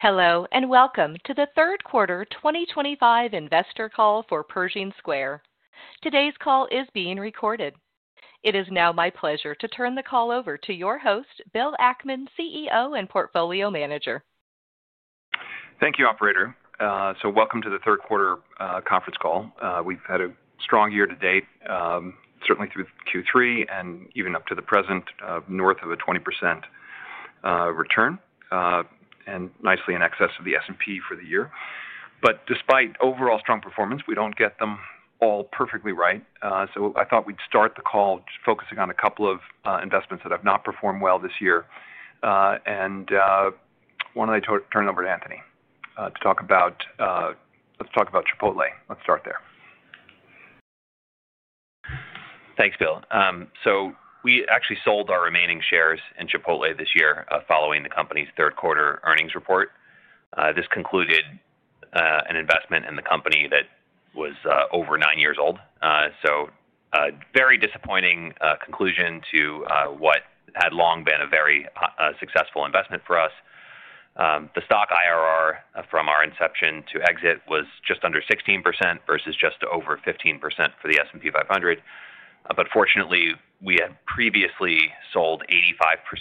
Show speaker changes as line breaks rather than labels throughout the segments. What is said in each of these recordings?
Hello and welcome to the third quarter 2025 investor call for Pershing Square Holdings. Today's call is being recorded. It is now my pleasure to turn the call over to your host, Bill Ackman, CEO and portfolio manager.
Thank you, operator. Welcome to the third quarter conference call. We've had a strong year to date, certainly through Q3 and even up to the present, north of a 20% return, and nicely in excess of the S&P for the year. Despite overall strong performance, we don't get them all perfectly right. I thought we'd start the call focusing on a couple of investments that have not performed well this year. Why don't I turn it over to Anthony to talk about Chipotle? Let's start there.
Thanks, Bill. We actually sold our remaining shares in Chipotle this year following the company's third quarter earnings report. This concluded an investment in the company that was over nine years old. A very disappointing conclusion to what had long been a very successful investment for us. The stock IRR from our inception to exit was just under 16% versus just over 15% for the S&P 500. Fortunately, we had previously sold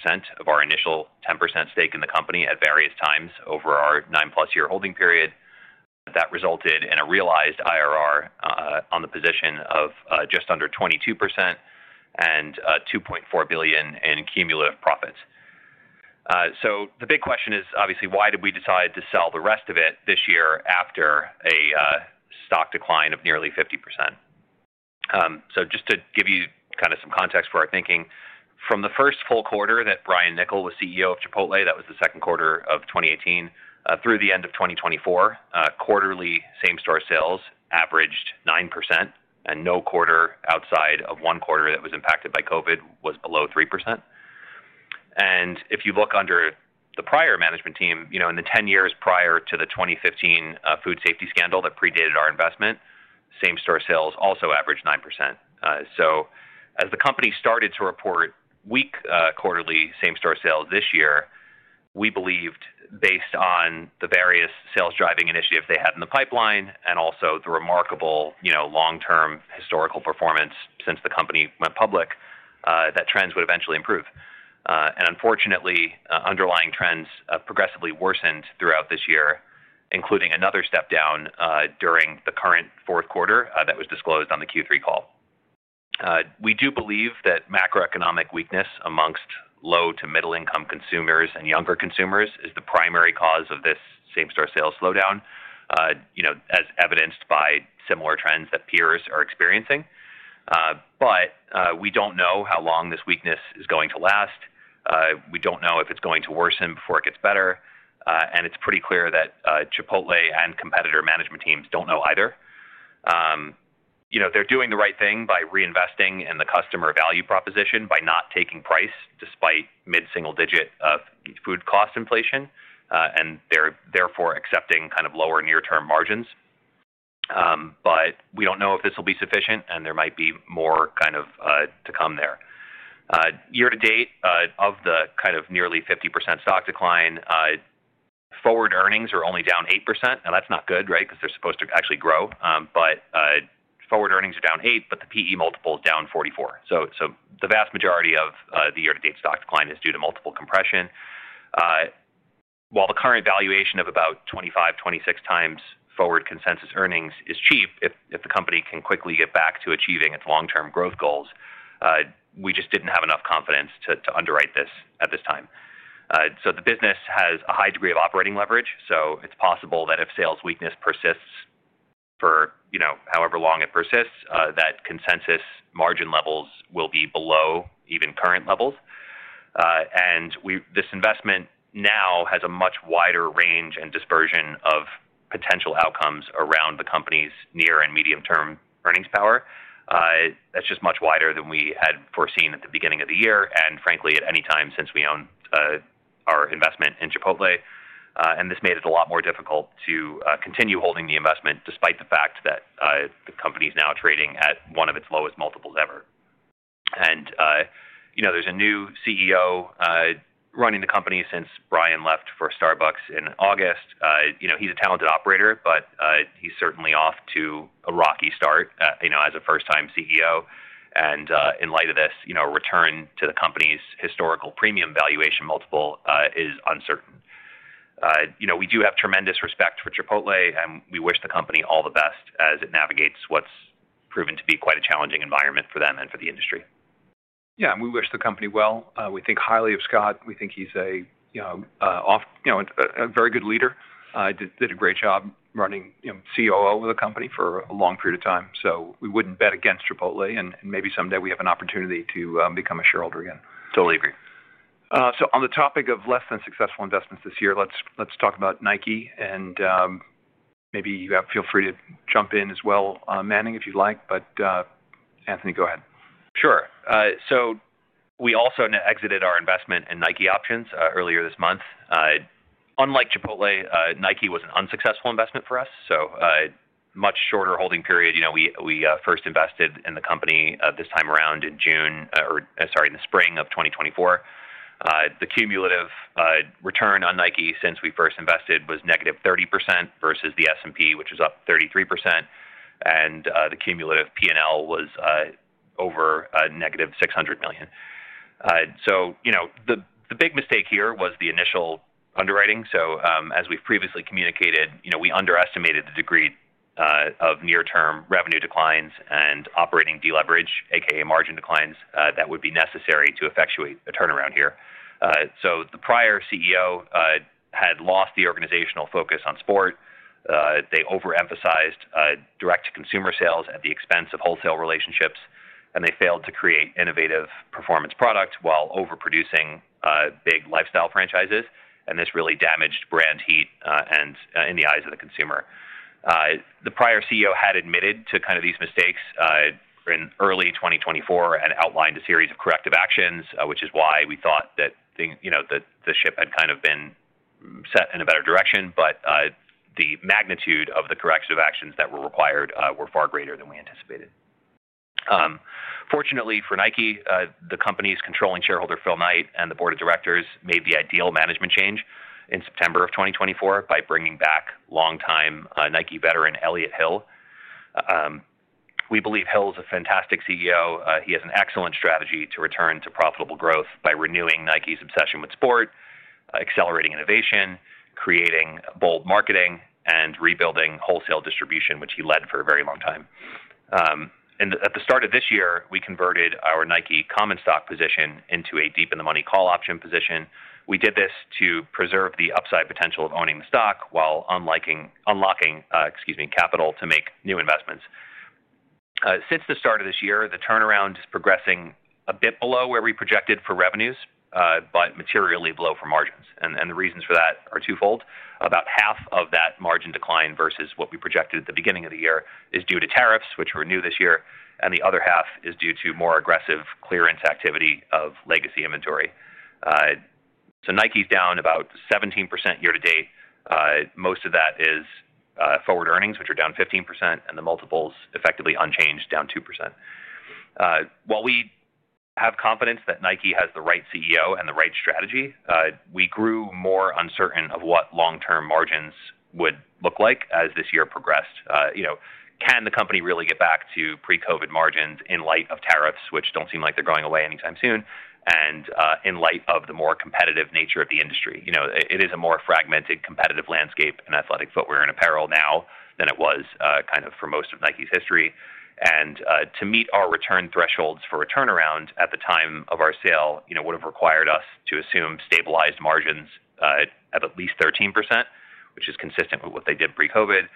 85% of our initial 10% stake in the company at various times over our nine-plus-year holding period. That resulted in a realized IRR on the position of just under 22% and $2.4 billion in cumulative profits. The big question is, obviously, why did we decide to sell the rest of it this year after a stock decline of nearly 50%? Just to give you kind of some context for our thinking, from the first full quarter that Brian Niccol was CEO of Chipotle, that was the second quarter of 2018, through the end of 2024, quarterly same-store sales averaged 9%, and no quarter outside of one quarter that was impacted by COVID was below 3%. If you look under the prior management team, in the 10 years prior to the 2015 food safety scandal that predated our investment, same-store sales also averaged 9%. As the company started to report weak quarterly same-store sales this year, we believed, based on the various sales-driving initiatives they had in the pipeline and also the remarkable long-term historical performance since the company went public, that trends would eventually improve. Unfortunately, underlying trends progressively worsened throughout this year, including another step down during the current fourth quarter that was disclosed on the Q3 call. We do believe that macroeconomic weakness amongst low to middle-income consumers and younger consumers is the primary cause of this same-store sales slowdown, as evidenced by similar trends that peers are experiencing. We do not know how long this weakness is going to last. We do not know if it is going to worsen before it gets better. It is pretty clear that Chipotle and competitor management teams do not know either. They are doing the right thing by reinvesting in the customer value proposition by not taking price despite mid-single-digit food cost inflation, and they are therefore accepting kind of lower near-term margins. We do not know if this will be sufficient, and there might be more kind of to come there. Year-to-date of the kind of nearly 50% stock decline, forward earnings are only down 8%. Now, that's not good, right, because they're supposed to actually grow. Forward earnings are down 8%, but the PE multiple is down 44%. The vast majority of the year-to-date stock decline is due to multiple compression. While the current valuation of about 25x-26x forward consensus earnings is cheap, if the company can quickly get back to achieving its long-term growth goals, we just didn't have enough confidence to underwrite this at this time. The business has a high degree of operating leverage. It's possible that if sales weakness persists for however long it persists, consensus margin levels will be below even current levels. This investment now has a much wider range and dispersion of potential outcomes around the company's near and medium-term earnings power. That's just much wider than we had foreseen at the beginning of the year and, frankly, at any time since we owned our investment in Chipotle. This made it a lot more difficult to continue holding the investment despite the fact that the company is now trading at one of its lowest multiples ever. There is a new CEO running the company since Brian left for Starbucks in August. He's a talented operator, but he's certainly off to a rocky start as a first-time CEO. In light of this, return to the company's historical premium valuation multiple is uncertain. We do have tremendous respect for Chipotle, and we wish the company all the best as it navigates what's proven to be quite a challenging environment for them and for the industry.
Yeah, and we wish the company well. We think highly of Scott. We think he's a very good leader, did a great job running COO of the company for a long period of time. We wouldn't bet against Chipotle, and maybe someday we have an opportunity to become a shareholder again.
Totally agree.
On the topic of less-than-successful investments this year, let's talk about Nike. Maybe you feel free to jump in as well, Manning, if you'd like. Anthony, go ahead.
Sure. We also exited our investment in Nike Options earlier this month. Unlike Chipotle, Nike was an unsuccessful investment for us. Much shorter holding period. We first invested in the company this time around in June or, sorry, in the spring of 2024. The cumulative return on Nike since we first invested was negative 30% versus the S&P, which was up 33%. The cumulative P&L was over -$600 million. The big mistake here was the initial underwriting. As we have previously communicated, we underestimated the degree of near-term revenue declines and operating deleverage, a.k.a. margin declines, that would be necessary to effectuate a turnaround here. The prior CEO had lost the organizational focus on sport. They overemphasized direct-to-consumer sales at the expense of wholesale relationships, and they failed to create innovative performance products while overproducing big lifestyle franchises. This really damaged brand heat in the eyes of the consumer. The prior CEO had admitted to kind of these mistakes in early 2024 and outlined a series of corrective actions, which is why we thought that the ship had kind of been set in a better direction. The magnitude of the corrective actions that were required were far greater than we anticipated. Fortunately for Nike, the company's controlling shareholder, Phil Knight, and the board of directors made the ideal management change in September of 2024 by bringing back long-time Nike veteran Elliott Hill. We believe Hill is a fantastic CEO. He has an excellent strategy to return to profitable growth by renewing Nike's obsession with sport, accelerating innovation, creating bold marketing, and rebuilding wholesale distribution, which he led for a very long time. At the start of this year, we converted our Nike common stock position into a deep-in-the-money call option position. We did this to preserve the upside potential of owning the stock while unlocking capital to make new investments. Since the start of this year, the turnaround is progressing a bit below where we projected for revenues, but materially below for margins. The reasons for that are twofold. About half of that margin decline versus what we projected at the beginning of the year is due to tariffs, which were new this year. The other half is due to more aggressive clearance activity of legacy inventory. Nike's down about 17% year-to-date. Most of that is forward earnings, which are down 15%, and the multiples effectively unchanged, down 2%. While we have confidence that Nike has the right CEO and the right strategy, we grew more uncertain of what long-term margins would look like as this year progressed. Can the company really get back to pre-COVID margins in light of tariffs, which do not seem like they are going away anytime soon, and in light of the more competitive nature of the industry? It is a more fragmented competitive landscape in athletic footwear and apparel now than it was for most of Nike's history. To meet our return thresholds for a turnaround at the time of our sale would have required us to assume stabilized margins at at least 13%, which is consistent with what they did pre-COVID.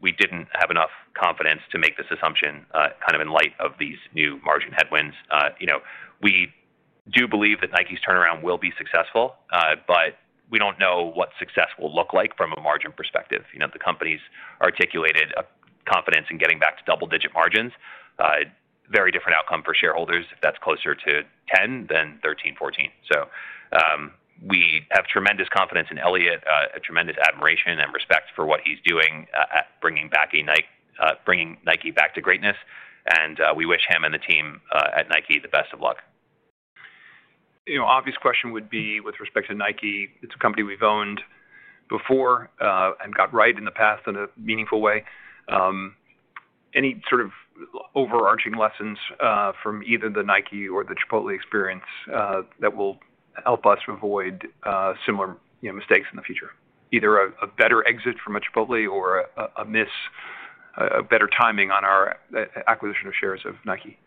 We did not have enough confidence to make this assumption in light of these new margin headwinds. We do believe that Nike's turnaround will be successful, but we don't know what success will look like from a margin perspective. The company's articulated confidence in getting back to double-digit margins, a very different outcome for shareholders if that's closer to 10 than 13, 14. We have tremendous confidence in Elliott, a tremendous admiration and respect for what he's doing at bringing Nike back to greatness. We wish him and the team at Nike the best of luck.
Obvious question would be, with respect to Nike, it's a company we've owned before and got right in the past in a meaningful way. Any sort of overarching lessons from either the Nike or the Chipotle experience that will help us avoid similar mistakes in the future? Either a better exit from a Chipotle or a better timing on our acquisition of shares of Nike?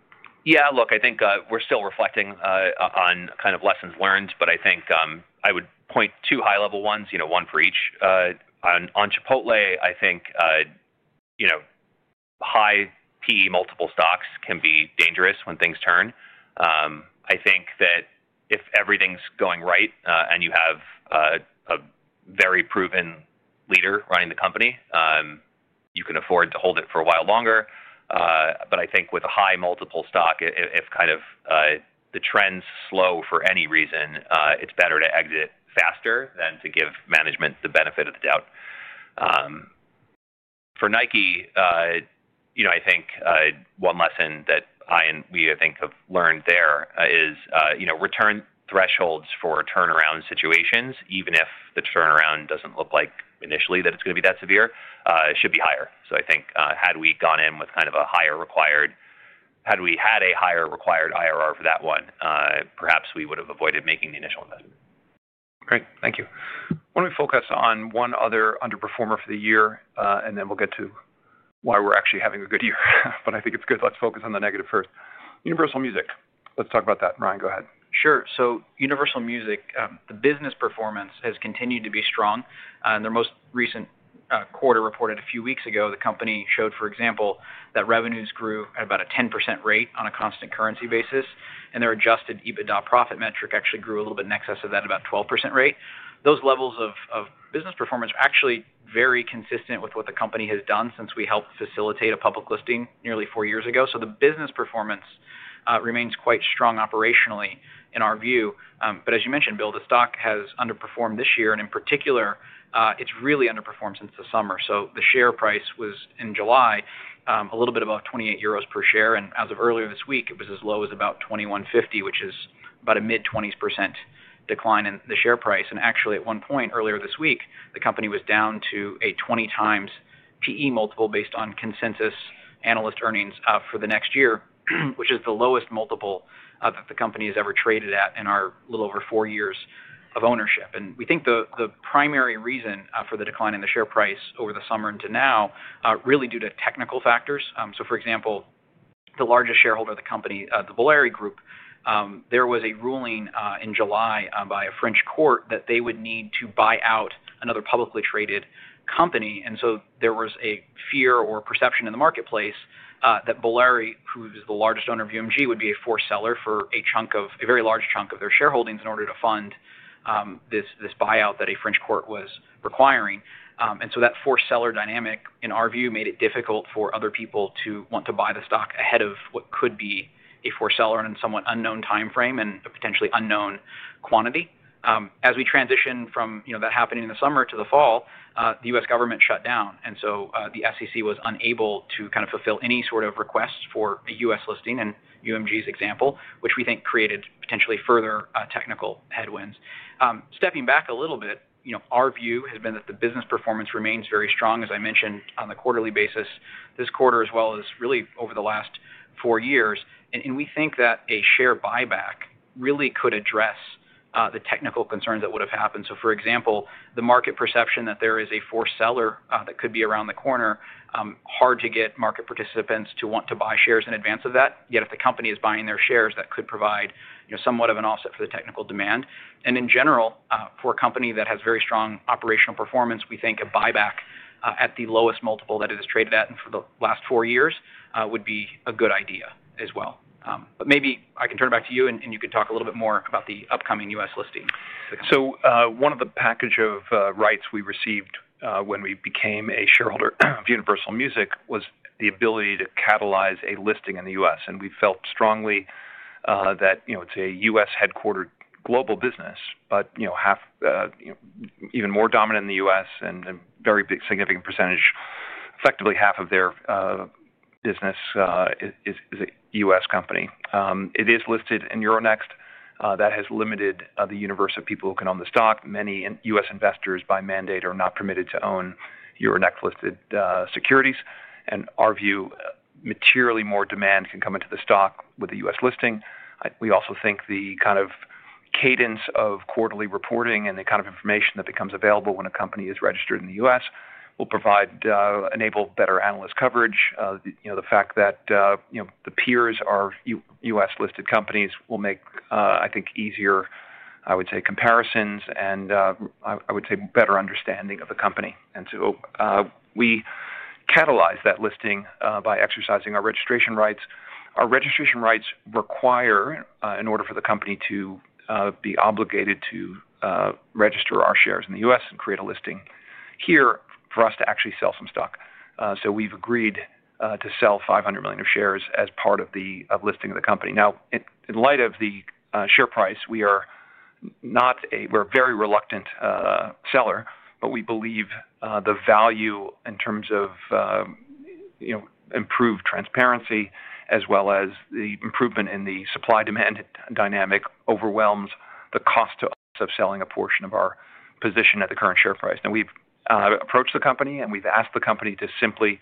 Yeah, look, I think we're still reflecting on kind of lessons learned, but I think I would point to high-level ones, one for each. On Chipotle, I think high PE multiple stocks can be dangerous when things turn. I think that if everything's going right and you have a very proven leader running the company, you can afford to hold it for a while longer. I think with a high multiple stock, if kind of the trends slow for any reason, it's better to exit faster than to give management the benefit of the doubt. For Nike, I think one lesson that I and we, I think, have learned there is return thresholds for turnaround situations, even if the turnaround doesn't look like initially that it's going to be that severe, should be higher. I think had we gone in with kind of a higher required, had we had a higher required IRR for that one, perhaps we would have avoided making the initial investment.
Great. Thank you. I want to focus on one other underperformer for the year, and then we'll get to why we're actually having a good year. I think it's good. Let's focus on the negative first. Universal Music. Let's talk about that. Ryan, go ahead.
Sure. Universal Music, the business performance has continued to be strong. In their most recent quarter reported a few weeks ago, the company showed, for example, that revenues grew at about a 10% rate on a constant currency basis. Their adjusted EBITDA profit metric actually grew a little bit in excess of that, about a 12% rate. Those levels of business performance are actually very consistent with what the company has done since we helped facilitate a public listing nearly four years ago. The business performance remains quite strong operationally, in our view. As you mentioned, Bill, the stock has underperformed this year. In particular, it's really underperformed since the summer. The share price was in July a little bit above 28 euros per share. As of earlier this week, it was as low as about $21.50, which is about a mid-20% decline in the share price. Actually, at one point earlier this week, the company was down to a 20x PE multiple based on consensus analyst earnings for the next year, which is the lowest multiple that the company has ever traded at in our little over four years of ownership. We think the primary reason for the decline in the share price over the summer into now is really due to technical factors. For example, the largest shareholder of the company, the Bolloré Group, there was a ruling in July by a French court that they would need to buy out another publicly traded company. There was a fear or perception in the marketplace that Bolloré, who is the largest owner of UMG, would be a forced seller for a very large chunk of their shareholdings in order to fund this buyout that a French court was requiring. That forced seller dynamic, in our view, made it difficult for other people to want to buy the stock ahead of what could be a forced seller in a somewhat unknown timeframe and a potentially unknown quantity. As we transitioned from that happening in the summer to the fall, the U.S. government shut down. The SEC was unable to kind of fulfill any sort of request for a U.S. listing in UMG's example, which we think created potentially further technical headwinds. Stepping back a little bit, our view has been that the business performance remains very strong, as I mentioned, on the quarterly basis this quarter, as well as really over the last four years. We think that a share buyback really could address the technical concerns that would have happened. For example, the market perception that there is a foreseller that could be around the corner, hard to get market participants to want to buy shares in advance of that. Yet if the company is buying their shares, that could provide somewhat of an offset for the technical demand. In general, for a company that has very strong operational performance, we think a buyback at the lowest multiple that it has traded at for the last four years would be a good idea as well. Maybe I can turn it back to you, and you can talk a little bit more about the upcoming US listing.
One of the package of rights we received when we became a shareholder of Universal Music was the ability to catalyze a listing in the US. We felt strongly that it's a US-headquartered global business, but even more dominant in the US and a very significant percentage, effectively half of their business, is a US company. It is listed in Euronext. That has limited the universe of people who can own the stock. Many US investors, by mandate, are not permitted to own Euronext-listed securities. Our view is materially more demand can come into the stock with the US listing. We also think the kind of cadence of quarterly reporting and the kind of information that becomes available when a company is registered in the US will enable better analyst coverage. The fact that the peers are US-listed companies will make, I think, easier, I would say, comparisons and, I would say, better understanding of the company. We catalyze that listing by exercising our registration rights. Our registration rights require, in order for the company to be obligated to register our shares in the US and create a listing here, for us to actually sell some stock. We have agreed to sell $500 million of shares as part of the listing of the company. Now, in light of the share price, we are not a very reluctant seller, but we believe the value in terms of improved transparency, as well as the improvement in the supply-demand dynamic, overwhelms the cost to us of selling a portion of our position at the current share price. Now, we've approached the company, and we've asked the company to simply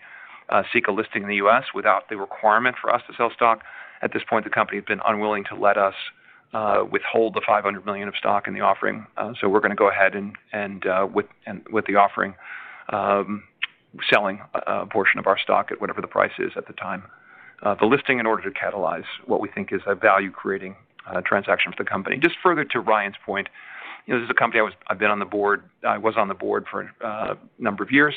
seek a listing in the US without the requirement for us to sell stock. At this point, the company has been unwilling to let us withhold the $500 million of stock in the offering. We are going to go ahead and, with the offering, sell a portion of our stock at whatever the price is at the time. The listing, in order to catalyze what we think is a value-creating transaction for the company. Just further to Ryan's point, this is a company I've been on the board. I was on the board for a number of years.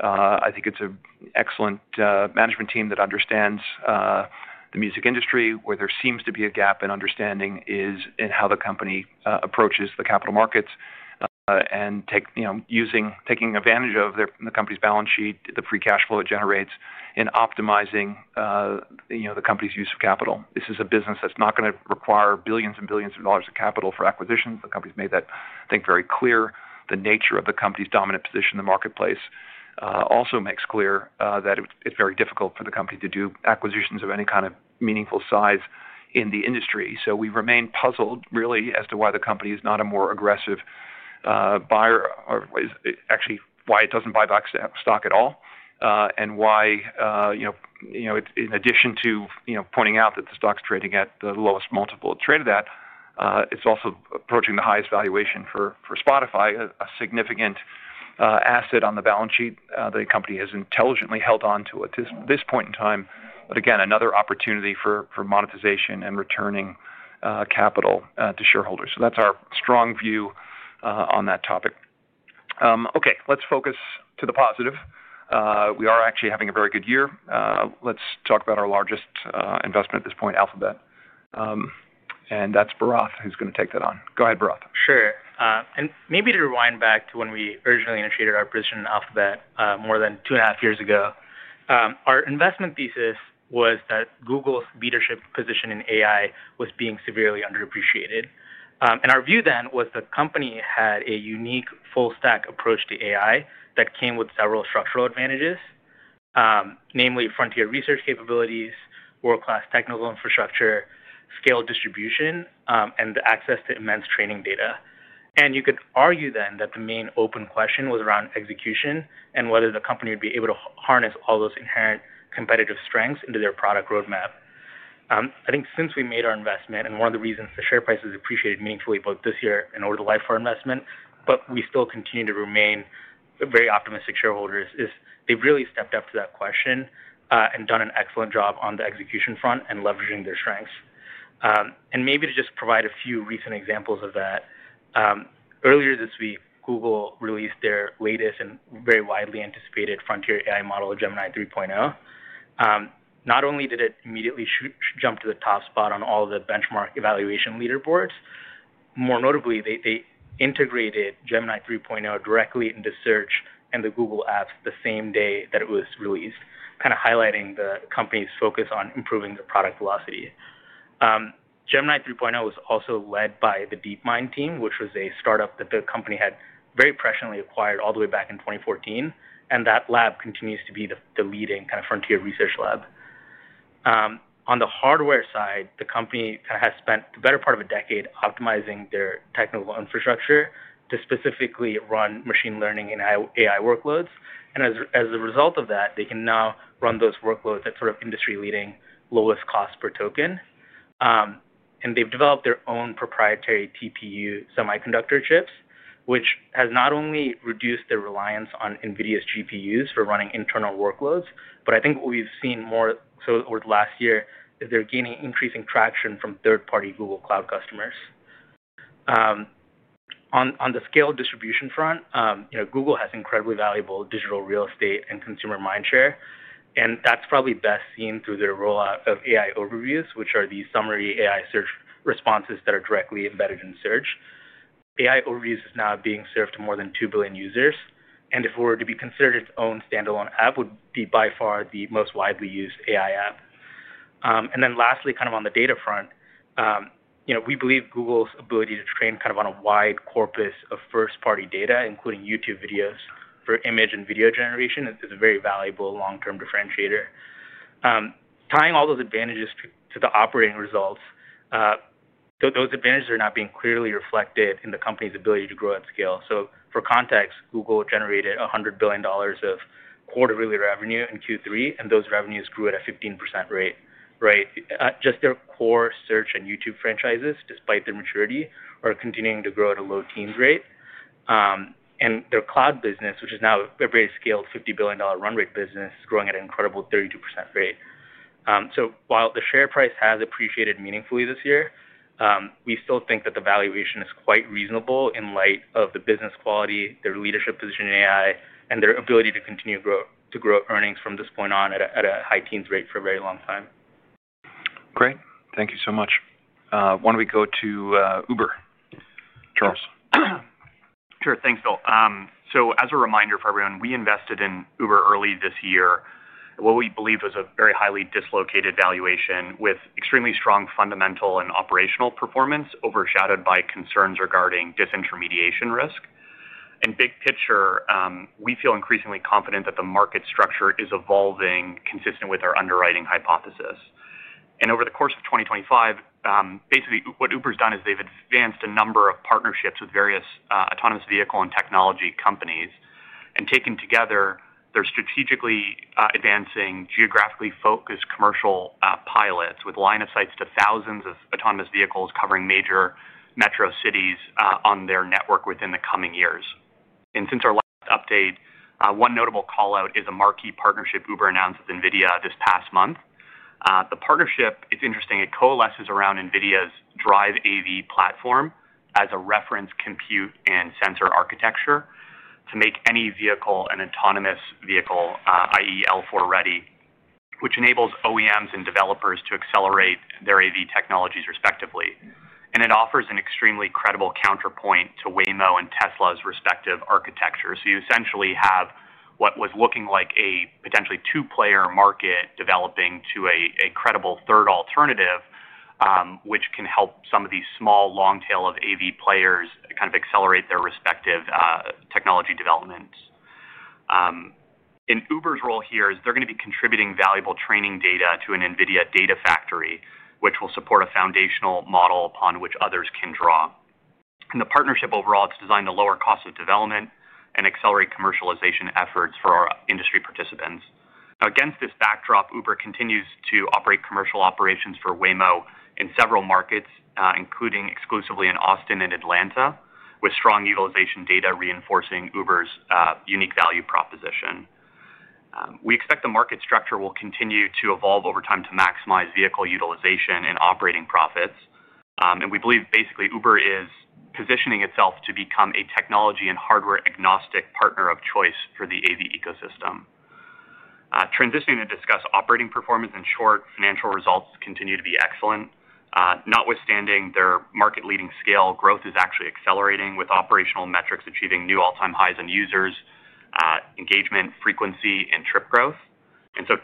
I think it's an excellent management team that understands the music industry. Where there seems to be a gap in understanding is in how the company approaches the capital markets and taking advantage of the company's balance sheet, the free cash flow it generates, and optimizing the company's use of capital. This is a business that's not going to require billions and billions of dollars of capital for acquisitions. The company's made that, I think, very clear. The nature of the company's dominant position in the marketplace also makes clear that it's very difficult for the company to do acquisitions of any kind of meaningful size in the industry. We remain puzzled, really, as to why the company is not a more aggressive buyer, or actually why it does not buy back stock at all, and why, in addition to pointing out that the stock's trading at the lowest multiple it traded at, it is also approaching the highest valuation for Spotify, a significant asset on the balance sheet that the company has intelligently held on to at this point in time. Again, another opportunity for monetization and returning capital to shareholders. That is our strong view on that topic. Okay, let's focus to the positive. We are actually having a very good year. Let's talk about our largest investment at this point, Alphabet. That is Bharath, who is going to take that on. Go ahead, Bharath.
Sure. Maybe to rewind back to when we originally initiated our position in Alphabet more than two and a half years ago, our investment thesis was that Google's leadership position in AI was being severely underappreciated. Our view then was the company had a unique full-stack approach to AI that came with several structural advantages, namely frontier research capabilities, world-class technical infrastructure, scaled distribution, and the access to immense training data. You could argue then that the main open question was around execution and whether the company would be able to harness all those inherent competitive strengths into their product roadmap. I think since we made our investment, and one of the reasons the share price has appreciated meaningfully both this year and over the life of our investment, but we still continue to remain very optimistic shareholders, is they've really stepped up to that question and done an excellent job on the execution front and leveraging their strengths. Maybe to just provide a few recent examples of that, earlier this week, Google released their latest and very widely anticipated frontier AI model, Gemini 3.0. Not only did it immediately jump to the top spot on all the benchmark evaluation leaderboards, more notably, they integrated Gemini 3.0 directly into Search and the Google Apps the same day that it was released, kind of highlighting the company's focus on improving the product velocity. Gemini 3.0 was also led by the DeepMind team, which was a startup that the company had very presciently acquired all the way back in 2014. That lab continues to be the leading kind of frontier research lab. On the hardware side, the company kind of has spent the better part of a decade optimizing their technical infrastructure to specifically run machine learning and AI workloads. As a result of that, they can now run those workloads at sort of industry-leading lowest cost per token. They have developed their own proprietary TPU semiconductor chips, which has not only reduced their reliance on NVIDIA's GPUs for running internal workloads, but I think what we've seen more so over the last year is they're gaining increasing traction from third-party Google Cloud customers. On the scaled distribution front, Google has incredibly valuable digital real estate and consumer mindshare. That is probably best seen through their rollout of AI Overviews, which are the summary AI search responses that are directly embedded in Search. AI Overviews is now being served to more than 2 billion users. If it were to be considered its own standalone app, it would be by far the most widely used AI app. Lastly, kind of on the data front, we believe Google's ability to train kind of on a wide corpus of first-party data, including YouTube videos for image and video generation, is a very valuable long-term differentiator. Tying all those advantages to the operating results, those advantages are now being clearly reflected in the company's ability to grow at scale. For context, Google generated $100 billion of quarterly revenue in Q3, and those revenues grew at a 15% rate. Just their core search and YouTube franchises, despite their maturity, are continuing to grow at a low teens rate. Their cloud business, which is now a very scaled $50 billion run rate business, is growing at an incredible 32% rate. While the share price has appreciated meaningfully this year, we still think that the valuation is quite reasonable in light of the business quality, their leadership position in AI, and their ability to continue to grow earnings from this point on at a high teens rate for a very long time.
Great. Thank you so much. Why don't we go to Uber, Charles?
Sure. Thanks, Bill. As a reminder for everyone, we invested in Uber early this year at what we believe was a very highly dislocated valuation with extremely strong fundamental and operational performance overshadowed by concerns regarding disintermediation risk. Big picture, we feel increasingly confident that the market structure is evolving consistent with our underwriting hypothesis. Over the course of 2025, basically what Uber's done is they've advanced a number of partnerships with various autonomous vehicle and technology companies. Taken together, they're strategically advancing geographically focused commercial pilots with line of sights to thousands of autonomous vehicles covering major metro cities on their network within the coming years. Since our last update, one notable callout is a marquee partnership Uber announced with NVIDIA this past month. The partnership, it's interesting, it coalesces around NVIDIA's Drive AV platform as a reference compute and sensor architecture to make any vehicle an autonomous vehicle, i.e., L4 ready, which enables OEMs and developers to accelerate their AV technologies respectively. It offers an extremely credible counterpoint to Waymo and Tesla's respective architecture. You essentially have what was looking like a potentially two-player market developing to a credible third alternative, which can help some of these small long-tail of AV players kind of accelerate their respective technology developments. Uber's role here is they're going to be contributing valuable training data to an NVIDIA data factory, which will support a foundational model upon which others can draw. The partnership overall, it's designed to lower costs of development and accelerate commercialization efforts for our industry participants. Now, against this backdrop, Uber continues to operate commercial operations for Waymo in several markets, including exclusively in Austin and Atlanta, with strong utilization data reinforcing Uber's unique value proposition. We expect the market structure will continue to evolve over time to maximize vehicle utilization and operating profits. We believe, basically, Uber is positioning itself to become a technology and hardware-agnostic partner of choice for the AV ecosystem. Transitioning to discuss operating performance, in short, financial results continue to be excellent. Notwithstanding their market-leading scale, growth is actually accelerating with operational metrics achieving new all-time highs in users, engagement, frequency, and trip growth.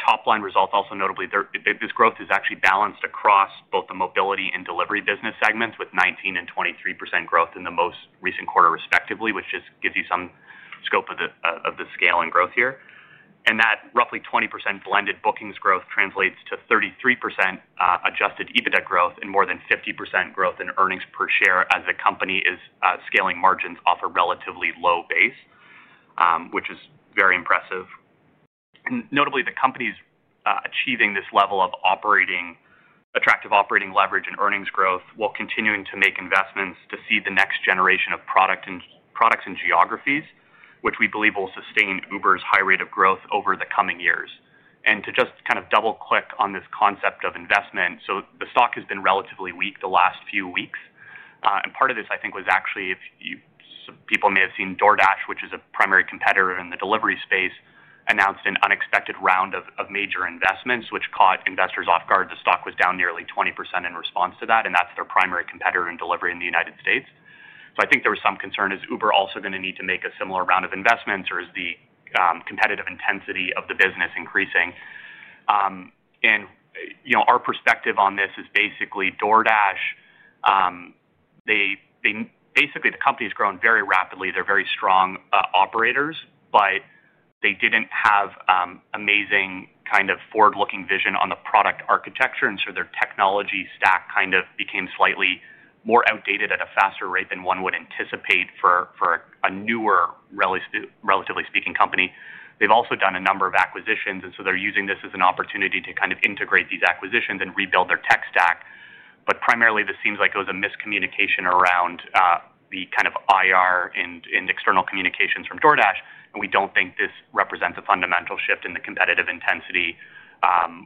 Top-line results, also notably, this growth is actually balanced across both the mobility and delivery business segments with 19% and 23% growth in the most recent quarter, respectively, which just gives you some scope of the scale and growth here. That roughly 20% blended bookings growth translates to 33% adjusted EBITDA growth and more than 50% growth in earnings per share as the company is scaling margins off a relatively low base, which is very impressive. Notably, the company is achieving this level of attractive operating leverage and earnings growth while continuing to make investments to seed the next generation of products and geographies, which we believe will sustain Uber's high rate of growth over the coming years. To just kind of double-click on this concept of investment, the stock has been relatively weak the last few weeks. Part of this, I think, was actually some people may have seen DoorDash, which is a primary competitor in the delivery space, announced an unexpected round of major investments, which caught investors off guard. The stock was down nearly 20% in response to that, and that's their primary competitor in delivery in the United States. I think there was some concern, is Uber also going to need to make a similar round of investments, or is the competitive intensity of the business increasing? Our perspective on this is basically DoorDash, basically, the company has grown very rapidly. They're very strong operators, but they didn't have amazing kind of forward-looking vision on the product architecture. Their technology stack kind of became slightly more outdated at a faster rate than one would anticipate for a newer, relatively speaking, company. They've also done a number of acquisitions, and they're using this as an opportunity to kind of integrate these acquisitions and rebuild their tech stack. Primarily, this seems like it was a miscommunication around the kind of IR and external communications from DoorDash. We don't think this represents a fundamental shift in the competitive intensity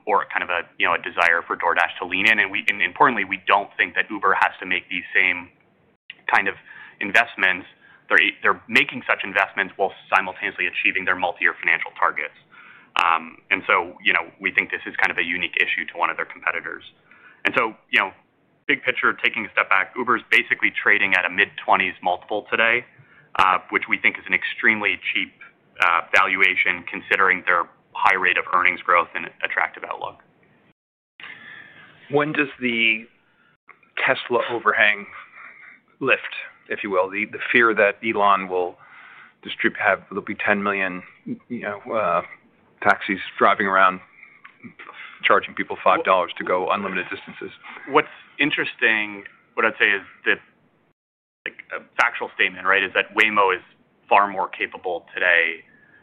or kind of a desire for DoorDash to lean in. Importantly, we don't think that Uber has to make these same kind of investments. They're making such investments while simultaneously achieving their multi-year financial targets. We think this is kind of a unique issue to one of their competitors. Big picture, taking a step back, Uber is basically trading at a mid-20s multiple today, which we think is an extremely cheap valuation considering their high rate of earnings growth and attractive outlook.
When does the Tesla overhang lift, if you will, the fear that Elon will have there'll be 10 million taxis driving around charging people $5 to go unlimited distances?
What's interesting, what I'd say is that a factual statement, right, is that Waymo is far more capable today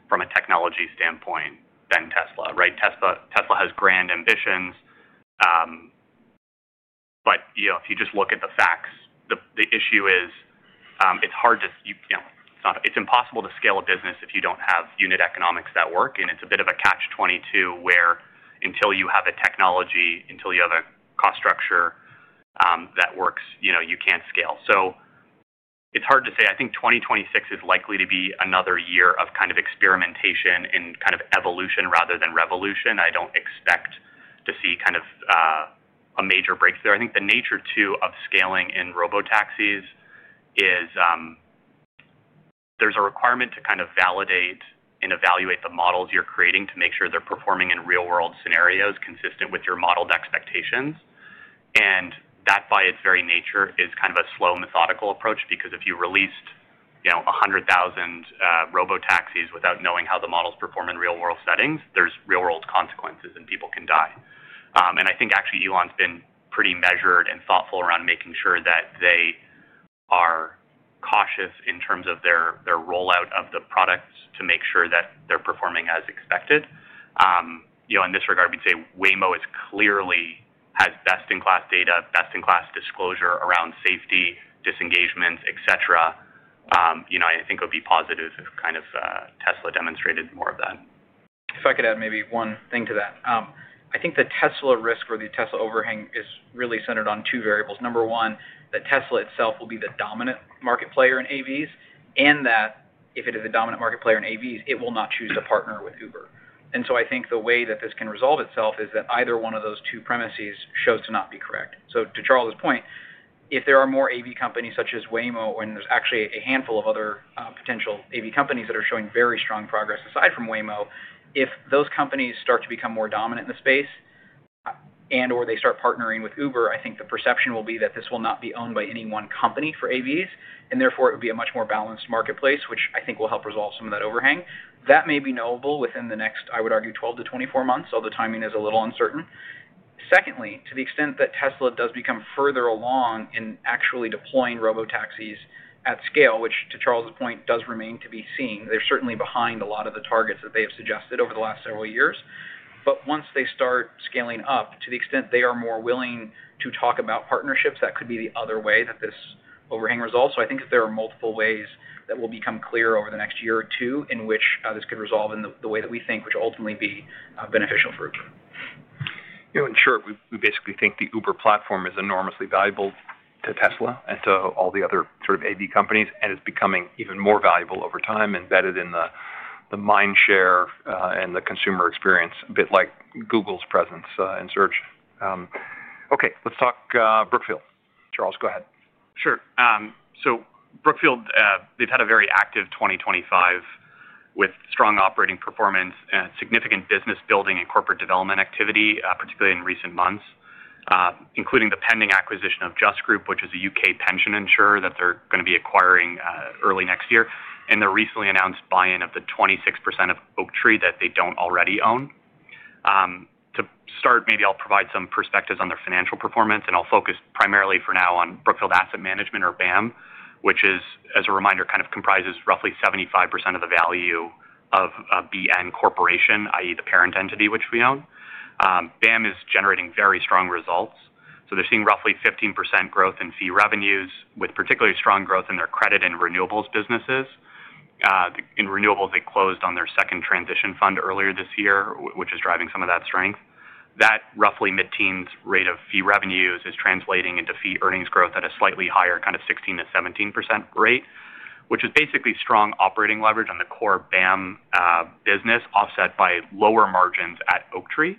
from a technology standpoint than Tesla. Tesla has grand ambitions. If you just look at the facts, the issue is it's hard to—it's impossible to scale a business if you don't have unit economics that work. It's a bit of a catch-22 where until you have a technology, until you have a cost structure that works, you can't scale. It's hard to say. I think 2026 is likely to be another year of kind of experimentation and kind of evolution rather than revolution. I don't expect to see kind of a major breakthrough. I think the nature, too, of scaling in robotaxis is there's a requirement to kind of validate and evaluate the models you're creating to make sure they're performing in real-world scenarios consistent with your modeled expectations. That, by its very nature, is kind of a slow methodical approach because if you released 100,000 robotaxis without knowing how the models perform in real-world settings, there's real-world consequences and people can die. I think, actually, Elon's been pretty measured and thoughtful around making sure that they are cautious in terms of their rollout of the products to make sure that they're performing as expected. In this regard, we'd say Waymo clearly has best-in-class data, best-in-class disclosure around safety, disengagements, etc. I think it would be positive if kind of Tesla demonstrated more of that.
If I could add maybe one thing to that, I think the Tesla risk or the Tesla overhang is really centered on two variables. Number one, that Tesla itself will be the dominant market player in AVs and that if it is a dominant market player in AVs, it will not choose to partner with Uber. I think the way that this can resolve itself is that either one of those two premises shows to not be correct. To Charles's point, if there are more AV companies such as Waymo and there is actually a handful of other potential AV companies that are showing very strong progress aside from Waymo, if those companies start to become more dominant in the space and/or they start partnering with Uber, I think the perception will be that this will not be owned by any one company for AVs. Therefore, it would be a much more balanced marketplace, which I think will help resolve some of that overhang. That may be knowable within the next, I would argue, 12-24 months. Although timing is a little uncertain. Secondly, to the extent that Tesla does become further along in actually deploying robotaxis at scale, which to Charles's point does remain to be seen, they're certainly behind a lot of the targets that they have suggested over the last several years. Once they start scaling up, to the extent they are more willing to talk about partnerships, that could be the other way that this overhang resolves. I think that there are multiple ways that will become clear over the next year or two in which this could resolve in the way that we think, which will ultimately be beneficial for Uber.
In short, we basically think the Uber platform is enormously valuable to Tesla and to all the other sort of AV companies. It is becoming even more valuable over time embedded in the mindshare and the consumer experience, a bit like Google's presence in search. Okay. Let's talk Brookfield. Charles, go ahead.
Sure. Brookfield, they've had a very active 2025 with strong operating performance and significant business building and corporate development activity, particularly in recent months, including the pending acquisition of Just Group, which is a U.K. pension insurer that they're going to be acquiring early next year. Their recently announced buy-in of the 26% of Oaktree that they don't already own. To start, maybe I'll provide some perspectives on their financial performance. I'll focus primarily for now on Brookfield Asset Management, or BAM, which is, as a reminder, kind of comprises roughly 75% of the value of Brookfield Corporation, i.e., the parent entity which we own. BAM is generating very strong results. They're seeing roughly 15% growth in fee revenues with particularly strong growth in their credit and renewables businesses. In renewables, they closed on their second transition fund earlier this year, which is driving some of that strength. That roughly mid-teens rate of fee revenues is translating into fee earnings growth at a slightly higher kind of 16%-17% rate, which is basically strong operating leverage on the core BAM business offset by lower margins at Oaktree,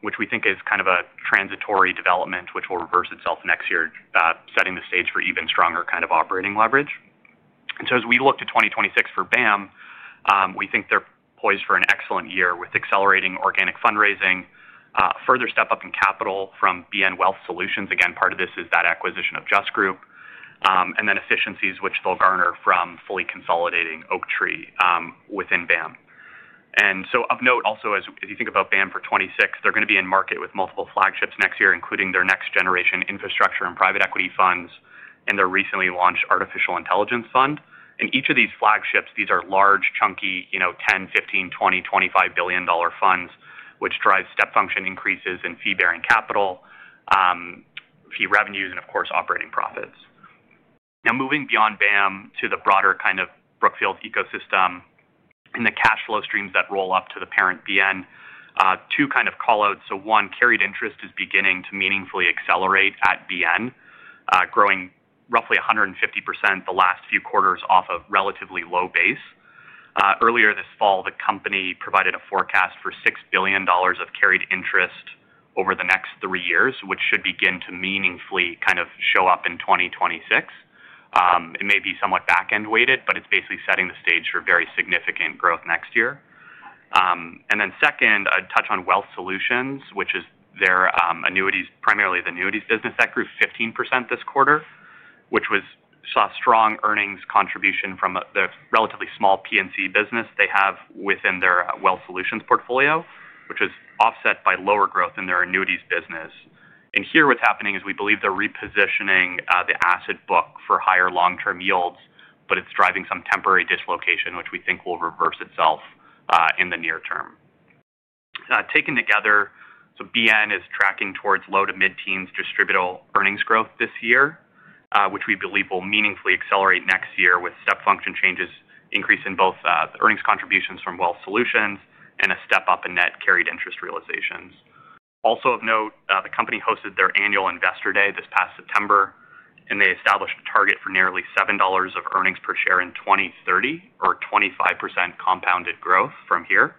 which we think is kind of a transitory development which will reverse itself next year, setting the stage for even stronger kind of operating leverage. As we look to 2026 for BAM, we think they're poised for an excellent year with accelerating organic fundraising, a further step up in capital from BN Wealth Solutions. Again, part of this is that acquisition of Just Group and then efficiencies which they'll garner from fully consolidating Oaktree within BAM. Of note also, as you think about BAM for 2026, they are going to be in market with multiple flagships next year, including their next-generation infrastructure and private equity funds and their recently launched artificial intelligence fund. Each of these flagships, these are large, chunky $10 billion, $15 billion, $20 billion, $25 billion funds, which drive step function increases in fee-bearing capital, fee revenues, and of course, operating profits. Now, moving beyond BAM to the broader kind of Brookfield ecosystem and the cash flow streams that roll up to the parent BN, two kind of callouts. One, carried interest is beginning to meaningfully accelerate at BN, growing roughly 150% the last few quarters off a relatively low base. Earlier this fall, the company provided a forecast for $6 billion of carried interest over the next three years, which should begin to meaningfully kind of show up in 2026. It may be somewhat back-end weighted, but it's basically setting the stage for very significant growth next year. Second, a touch on Wealth Solutions, which is their annuities, primarily the annuities business that grew 15% this quarter, which saw a strong earnings contribution from the relatively small P&C business they have within their Wealth Solutions portfolio, which is offset by lower growth in their annuities business. Here, what's happening is we believe they're repositioning the asset book for higher long-term yields, but it's driving some temporary dislocation, which we think will reverse itself in the near term. Taken together, BN is tracking towards low to mid-teens distributable earnings growth this year, which we believe will meaningfully accelerate next year with step function changes, increase in both earnings contributions from Wealth Solutions, and a step up in net carried interest realizations. Also of note, the company hosted their annual investor day this past September, and they established a target for nearly $7 of earnings per share in 2030 or 25% compounded growth from here.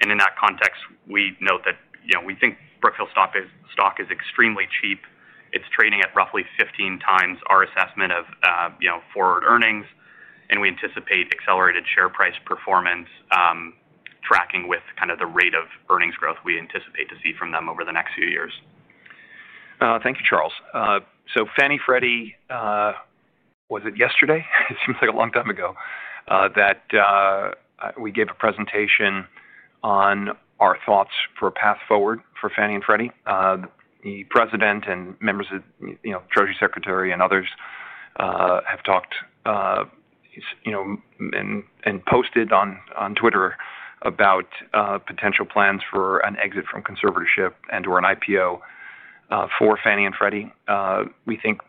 In that context, we note that we think Brookfield stock is extremely cheap. It's trading at roughly 15x our assessment of forward earnings. We anticipate accelerated share price performance tracking with kind of the rate of earnings growth we anticipate to see from them over the next few years.
Thank you, Charles. Fannie, Freddie, was it yesterday? It seems like a long time ago that we gave a presentation on our thoughts for a path forward for Fannie and Freddie. The president and members of the Treasury Secretary and others have talked and posted on Twitter about potential plans for an exit from conservatorship and/or an IPO for Fannie and Freddie. We think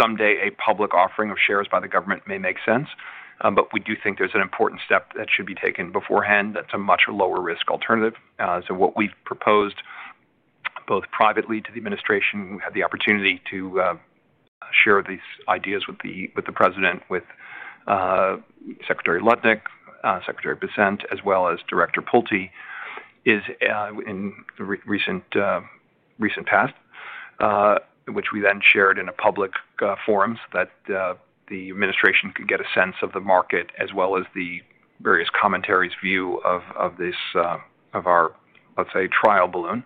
someday a public offering of shares by the government may make sense. We do think there's an important step that should be taken beforehand that's a much lower-risk alternative. What we've proposed both privately to the administration, we had the opportunity to share these ideas with the president, with Secretary Lutnick, Secretary Bissent, as well as Director Pulte in the recent past, which we then shared in a public forum so that the administration could get a sense of the market as well as the various commentaries' view of our, let's say, trial balloon.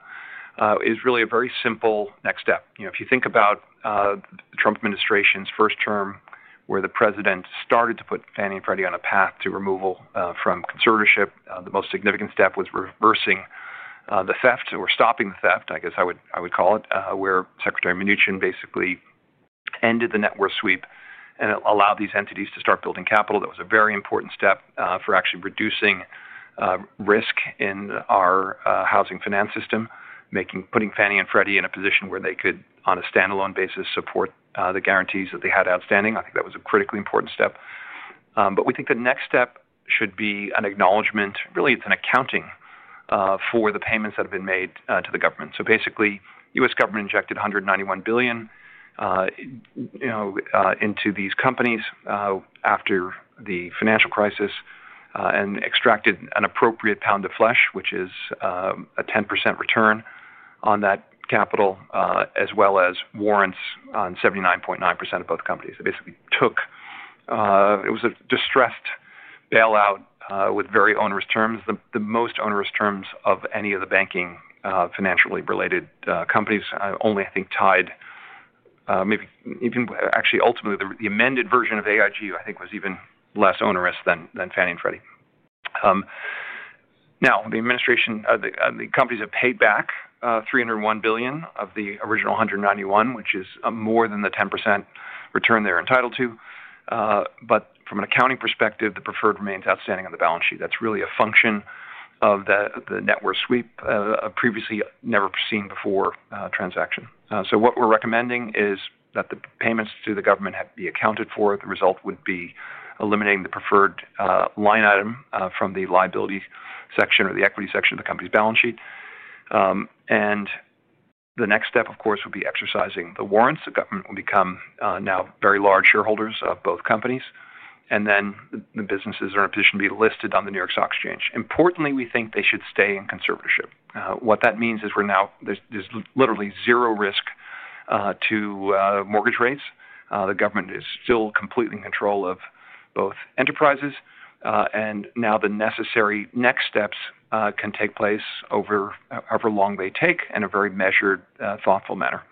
It's really a very simple next step. If you think about the Trump administration's first term where the president started to put Fannie and Freddie on a path to removal from conservatorship, the most significant step was reversing the theft or stopping the theft, I guess I would call it, where Secretary Mnuchin basically ended the net worth sweep and allowed these entities to start building capital. That was a very important step for actually reducing risk in our housing finance system, putting Fannie and Freddie in a position where they could, on a standalone basis, support the guarantees that they had outstanding. I think that was a critically important step. We think the next step should be an acknowledgment, really, it's an accounting for the payments that have been made to the government. Basically, the U.S. government injected $191 billion into these companies after the financial crisis and extracted an appropriate pound of flesh, which is a 10% return on that capital, as well as warrants on 79.9% of both companies. They basically took it was a distressed bailout with very onerous terms, the most onerous terms of any of the banking financially related companies, only I think tied maybe even actually ultimately the amended version of AIG, I think, was even less onerous than Fannie and Freddie. Now, the administration, the companies have paid back $301 billion of the original $191 billion, which is more than the 10% return they're entitled to. From an accounting perspective, the preferred remains outstanding on the balance sheet. That's really a function of the net worth sweep, a previously never seen before transaction. What we're recommending is that the payments to the government be accounted for. The result would be eliminating the preferred line item from the liability section or the equity section of the company's balance sheet. The next step, of course, would be exercising the warrants. The government will become now very large shareholders of both companies. The businesses are in a position to be listed on the New York Stock Exchange. Importantly, we think they should stay in conservatorship. What that means is there's literally zero risk to mortgage rates. The government is still completely in control of both enterprises. Now the necessary next steps can take place over however long they take in a very measured, thoughtful manner.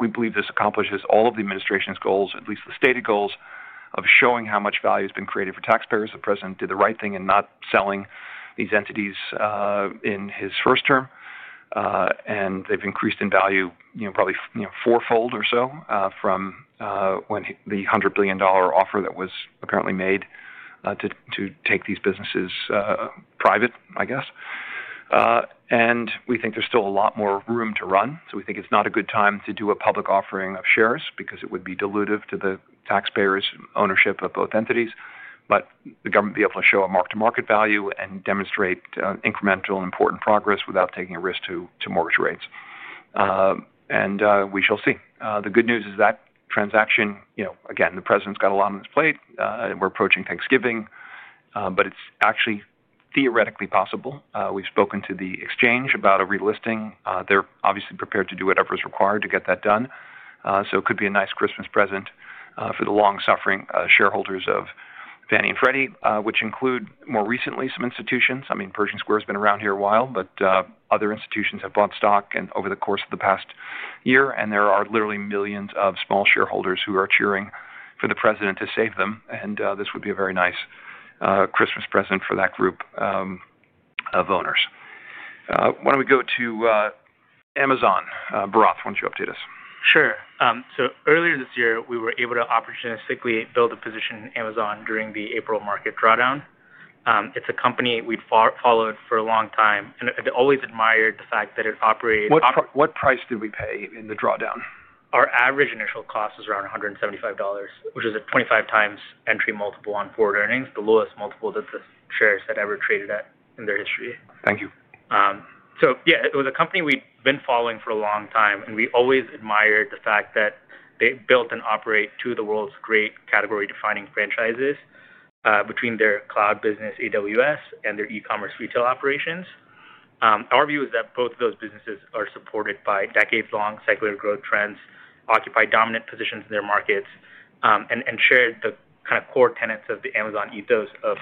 We believe this accomplishes all of the administration's goals, at least the stated goals of showing how much value has been created for taxpayers. The president did the right thing in not selling these entities in his first term. They've increased in value probably fourfold or so from when the $100 billion offer that was apparently made to take these businesses private, I guess. We think there's still a lot more room to run. We think it's not a good time to do a public offering of shares because it would be dilutive to the taxpayers' ownership of both entities. The government will be able to show a mark-to-market value and demonstrate incremental and important progress without taking a risk to mortgage rates. We shall see. The good news is that transaction, again, the president's got a lot on his plate. We're approaching Thanksgiving, but it's actually theoretically possible. We've spoken to the exchange about a relisting. They're obviously prepared to do whatever is required to get that done. It could be a nice Christmas present for the long-suffering shareholders of Fannie and Freddie, which include more recently some institutions. I mean, Pershing Square has been around here a while, but other institutions have bought stock over the course of the past year. There are literally millions of small shareholders who are cheering for the president to save them. This would be a very nice Christmas present for that group of owners. Why don't we go to Amazon? Bharath, why don't you update us?
Sure. Earlier this year, we were able to opportunistically build a position in Amazon during the April market drawdown. It's a company we'd followed for a long time. I've always admired the fact that it operated.
What price did we pay in the drawdown?
Our average initial cost was around $175, which was a 25x entry multiple on forward earnings, the lowest multiple that the shares had ever traded at in their history.
Thank you.
Yeah, it was a company we'd been following for a long time. We always admired the fact that they built and operate two of the world's great category-defining franchises between their cloud business, AWS, and their e-commerce retail operations. Our view is that both of those businesses are supported by decades-long cyclic growth trends, occupy dominant positions in their markets, and share the kind of core tenets of the Amazon ethos of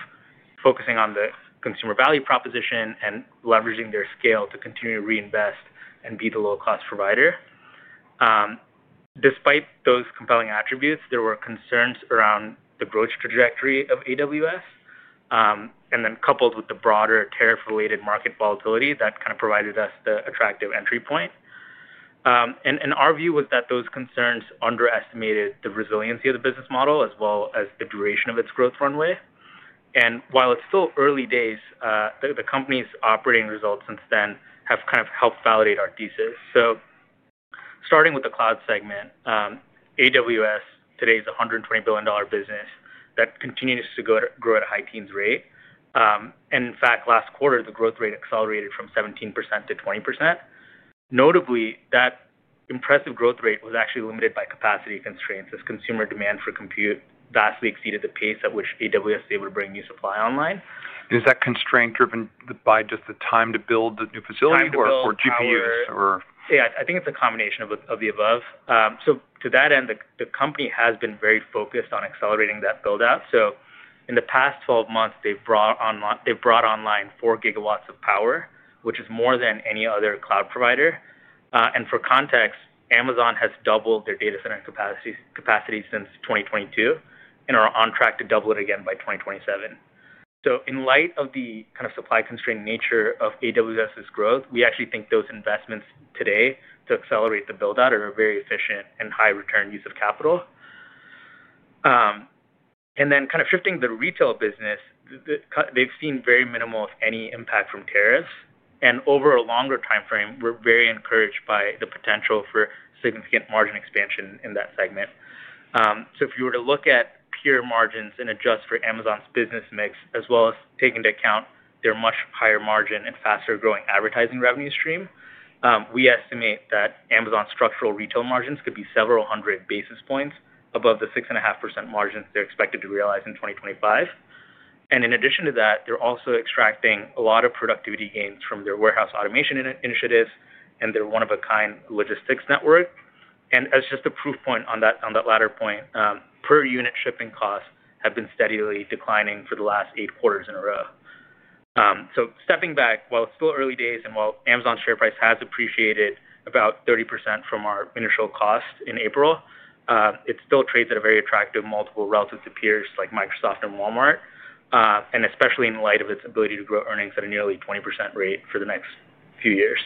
focusing on the consumer value proposition and leveraging their scale to continue to reinvest and be the low-cost provider. Despite those compelling attributes, there were concerns around the growth trajectory of AWS. Coupled with the broader tariff-related market volatility, that kind of provided us the attractive entry point. Our view was that those concerns underestimated the resiliency of the business model as well as the duration of its growth runway. While it's still early days, the company's operating results since then have kind of helped validate our thesis. Starting with the cloud segment, AWS today is a $120 billion business that continues to grow at a high teens rate. In fact, last quarter, the growth rate accelerated from 17% to 20%. Notably, that impressive growth rate was actually limited by capacity constraints as consumer demand for compute vastly exceeded the pace at which AWS is able to bring new supply online.
Is that constraint driven by just the time to build the new facility or GPUs or?
Yeah, I think it's a combination of the above. To that end, the company has been very focused on accelerating that build-out. In the past 12 months, they've brought online 4 GW of power, which is more than any other cloud provider. For context, Amazon has doubled their data center capacity since 2022 and are on track to double it again by 2027. In light of the kind of supply-constrained nature of AWS's growth, we actually think those investments today to accelerate the build-out are a very efficient and high-return use of capital. Kind of shifting the retail business, they've seen very minimal, if any, impact from tariffs. Over a longer timeframe, we're very encouraged by the potential for significant margin expansion in that segment. If you were to look at peer margins and adjust for Amazon's business mix, as well as taking into account their much higher margin and faster-growing advertising revenue stream, we estimate that Amazon's structural retail margins could be several hundred basis points above the 6.5% margins they're expected to realize in 2025. In addition to that, they're also extracting a lot of productivity gains from their warehouse automation initiatives and their one-of-a-kind logistics network. As just a proof point on that latter point, per-unit shipping costs have been steadily declining for the last eight quarters in a row. Stepping back, while it's still early days and while Amazon's share price has appreciated about 30% from our initial cost in April, it still trades at a very attractive multiple relative to peers like Microsoft and Walmart, and especially in light of its ability to grow earnings at a nearly 20% rate for the next few years.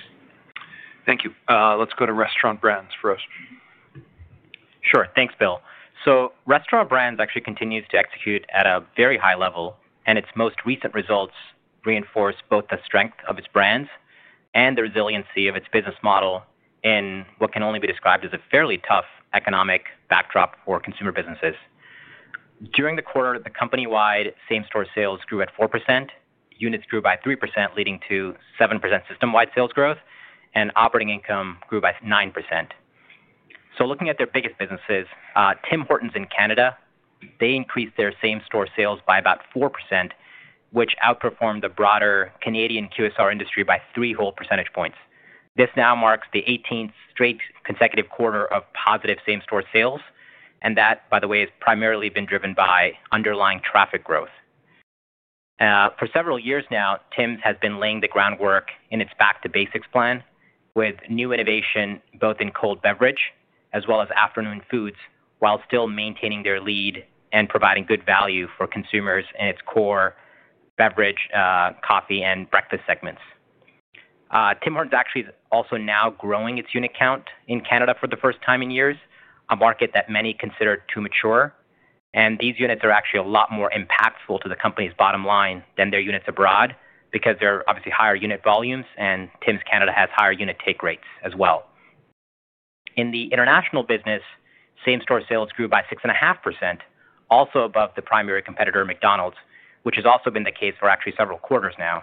Thank you. Let's go to Restaurant Brands, Bharath.
Sure. Thanks, Bill. Restaurant Brands actually continue to execute at a very high level. Its most recent results reinforce both the strength of its brands and the resiliency of its business model in what can only be described as a fairly tough economic backdrop for consumer businesses. During the quarter, the company-wide same-store sales grew at 4%. Units grew by 3%, leading to 7% system-wide sales growth. Operating income grew by 9%. Looking at their biggest businesses, Tim Hortons in Canada increased their same-store sales by about 4%, which outperformed the broader Canadian QSR industry by three whole percentage points. This now marks the 18th straight consecutive quarter of positive same-store sales. That, by the way, has primarily been driven by underlying traffic growth. For several years now, Tim's has been laying the groundwork in its back-to-basics plan with new innovation both in cold beverage as well as afternoon foods while still maintaining their lead and providing good value for consumers in its core beverage, coffee, and breakfast segments. Tim Hortons actually is also now growing its unit count in Canada for the first time in years, a market that many consider too mature. These units are actually a lot more impactful to the company's bottom line than their units abroad because there are obviously higher unit volumes, and Tim's Canada has higher unit take rates as well. In the international business, same-store sales grew by 6.5%, also above the primary competitor, McDonald's, which has also been the case for actually several quarters now.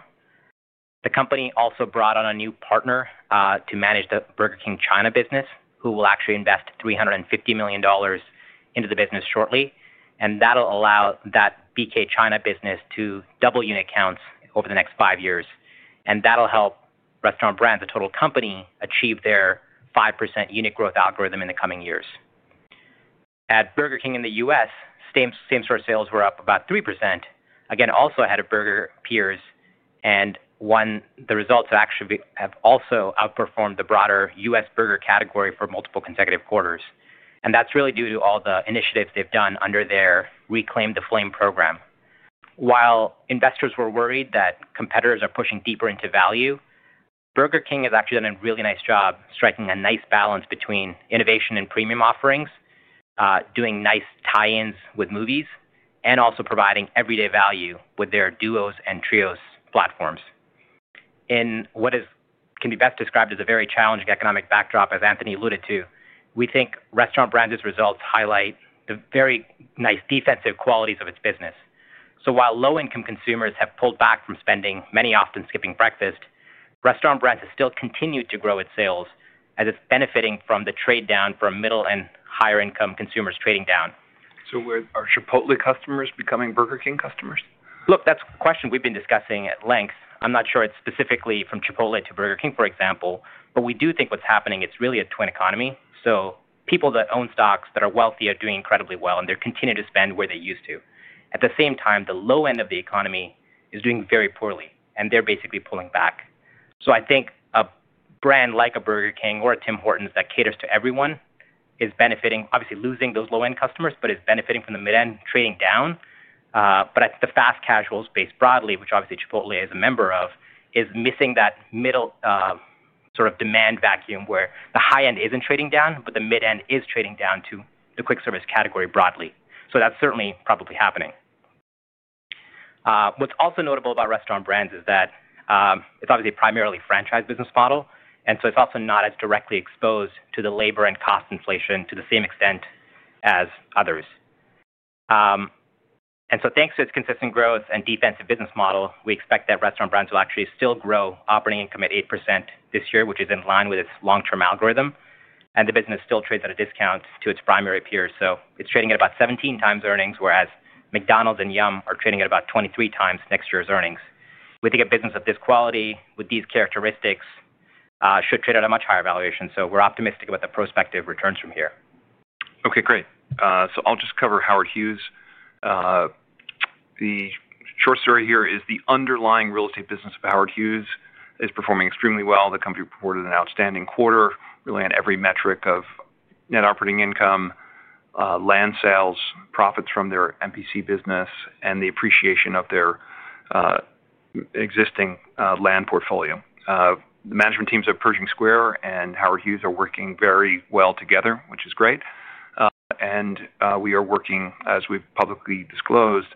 The company also brought on a new partner to manage the Burger King China business, who will actually invest $350 million into the business shortly. That will allow that BK China business to double unit counts over the next five years. That will help Restaurant Brands, a total company, achieve their 5% unit growth algorithm in the coming years. At Burger King in the U.S., same-store sales were up about 3%, again, also ahead of burger peers. The results have actually also outperformed the broader U.S. burger category for multiple consecutive quarters. That is really due to all the initiatives they've done under their Reclaim the Flame program. While investors were worried that competitors are pushing deeper into value, Burger King has actually done a really nice job striking a nice balance between innovation and premium offerings, doing nice tie-ins with movies, and also providing everyday value with their duos and trios platforms. In what can be best described as a very challenging economic backdrop, as Anthony alluded to, we think Restaurant Brands' results highlight the very nice defensive qualities of its business. While low-income consumers have pulled back from spending, many often skipping breakfast, Restaurant Brands have still continued to grow its sales as it's benefiting from the trade-down for middle and higher-income consumers trading down.
Are Chipotle customers becoming Burger King customers?
Look, that's a question we've been discussing at length. I'm not sure it's specifically from Chipotle to Burger King, for example. We do think what's happening, it's really a twin economy. People that own stocks that are wealthy are doing incredibly well, and they're continuing to spend where they used to. At the same time, the low end of the economy is doing very poorly, and they're basically pulling back. I think a brand like a Burger King or a Tim Hortons that caters to everyone is benefiting, obviously losing those low-end customers, but is benefiting from the mid-end trading down. I think the fast casuals, based broadly, which obviously Chipotle is a member of, is missing that middle sort of demand vacuum where the high-end isn't trading down, but the mid-end is trading down to the quick-service category broadly. That's certainly probably happening. What's also notable about Restaurant Brands is that it's obviously a primarily franchise business model. It's also not as directly exposed to the labor and cost inflation to the same extent as others. Thanks to its consistent growth and defensive business model, we expect that Restaurant Brands will actually still grow operating income at 8% this year, which is in line with its long-term algorithm. The business still trades at a discount to its primary peers. It's trading at about 17x earnings, whereas McDonald's and Yum are trading at about 23x next year's earnings. We think a business of this quality with these characteristics should trade at a much higher valuation. We're optimistic about the prospective returns from here.
Okay, great. I'll just cover Howard Hughes. The short story here is the underlying real estate business of Howard Hughes is performing extremely well. The company reported an outstanding quarter, really on every metric of net operating income, land sales, profits from their MPC business, and the appreciation of their existing land portfolio. The management teams of Pershing Square and Howard Hughes are working very well together, which is great. We are working, as we've publicly disclosed,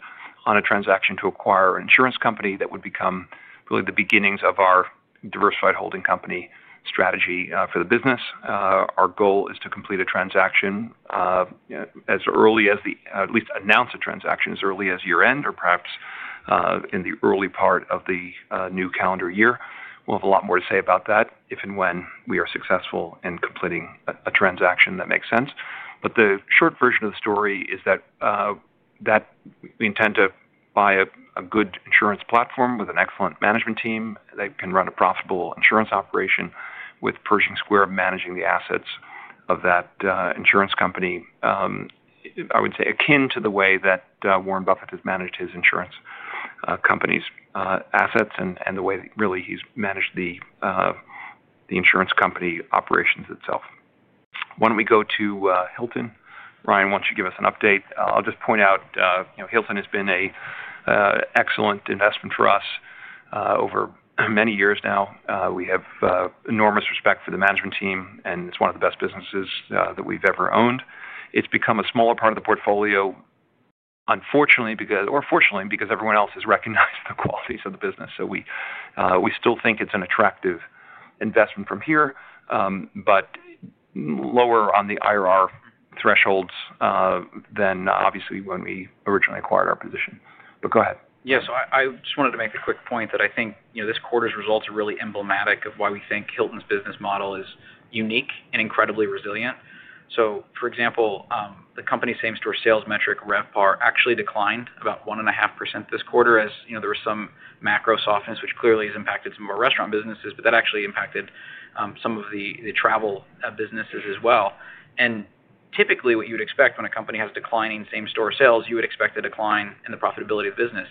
on a transaction to acquire an insurance company that would become really the beginnings of our diversified holding company strategy for the business. Our goal is to complete a transaction as early as, at least announce a transaction as early as, year-end or perhaps in the early part of the new calendar year. We'll have a lot more to say about that if and when we are successful in completing a transaction that makes sense. The short version of the story is that we intend to buy a good insurance platform with an excellent management team. They can run a profitable insurance operation with Pershing Square managing the assets of that insurance company, I would say akin to the way that Warren Buffett has managed his insurance company's assets and the way really he's managed the insurance company operations itself. Why don't we go to Hilton? Ryan, why don't you give us an update? I'll just point out Hilton has been an excellent investment for us over many years now. We have enormous respect for the management team, and it's one of the best businesses that we've ever owned. has become a smaller part of the portfolio, unfortunately, or fortunately, because everyone else has recognized the qualities of the business. We still think it is an attractive investment from here, but lower on the IRR thresholds than obviously when we originally acquired our position. Go ahead.
Yeah, I just wanted to make a quick point that I think this quarter's results are really emblematic of why we think Hilton's business model is unique and incredibly resilient. For example, the company's same-store sales metric, RevPAR, actually declined about 1.5% this quarter as there was some macro softness, which clearly has impacted some of our restaurant businesses, but that actually impacted some of the travel businesses as well. Typically, what you would expect when a company has declining same-store sales, you would expect a decline in the profitability of the business.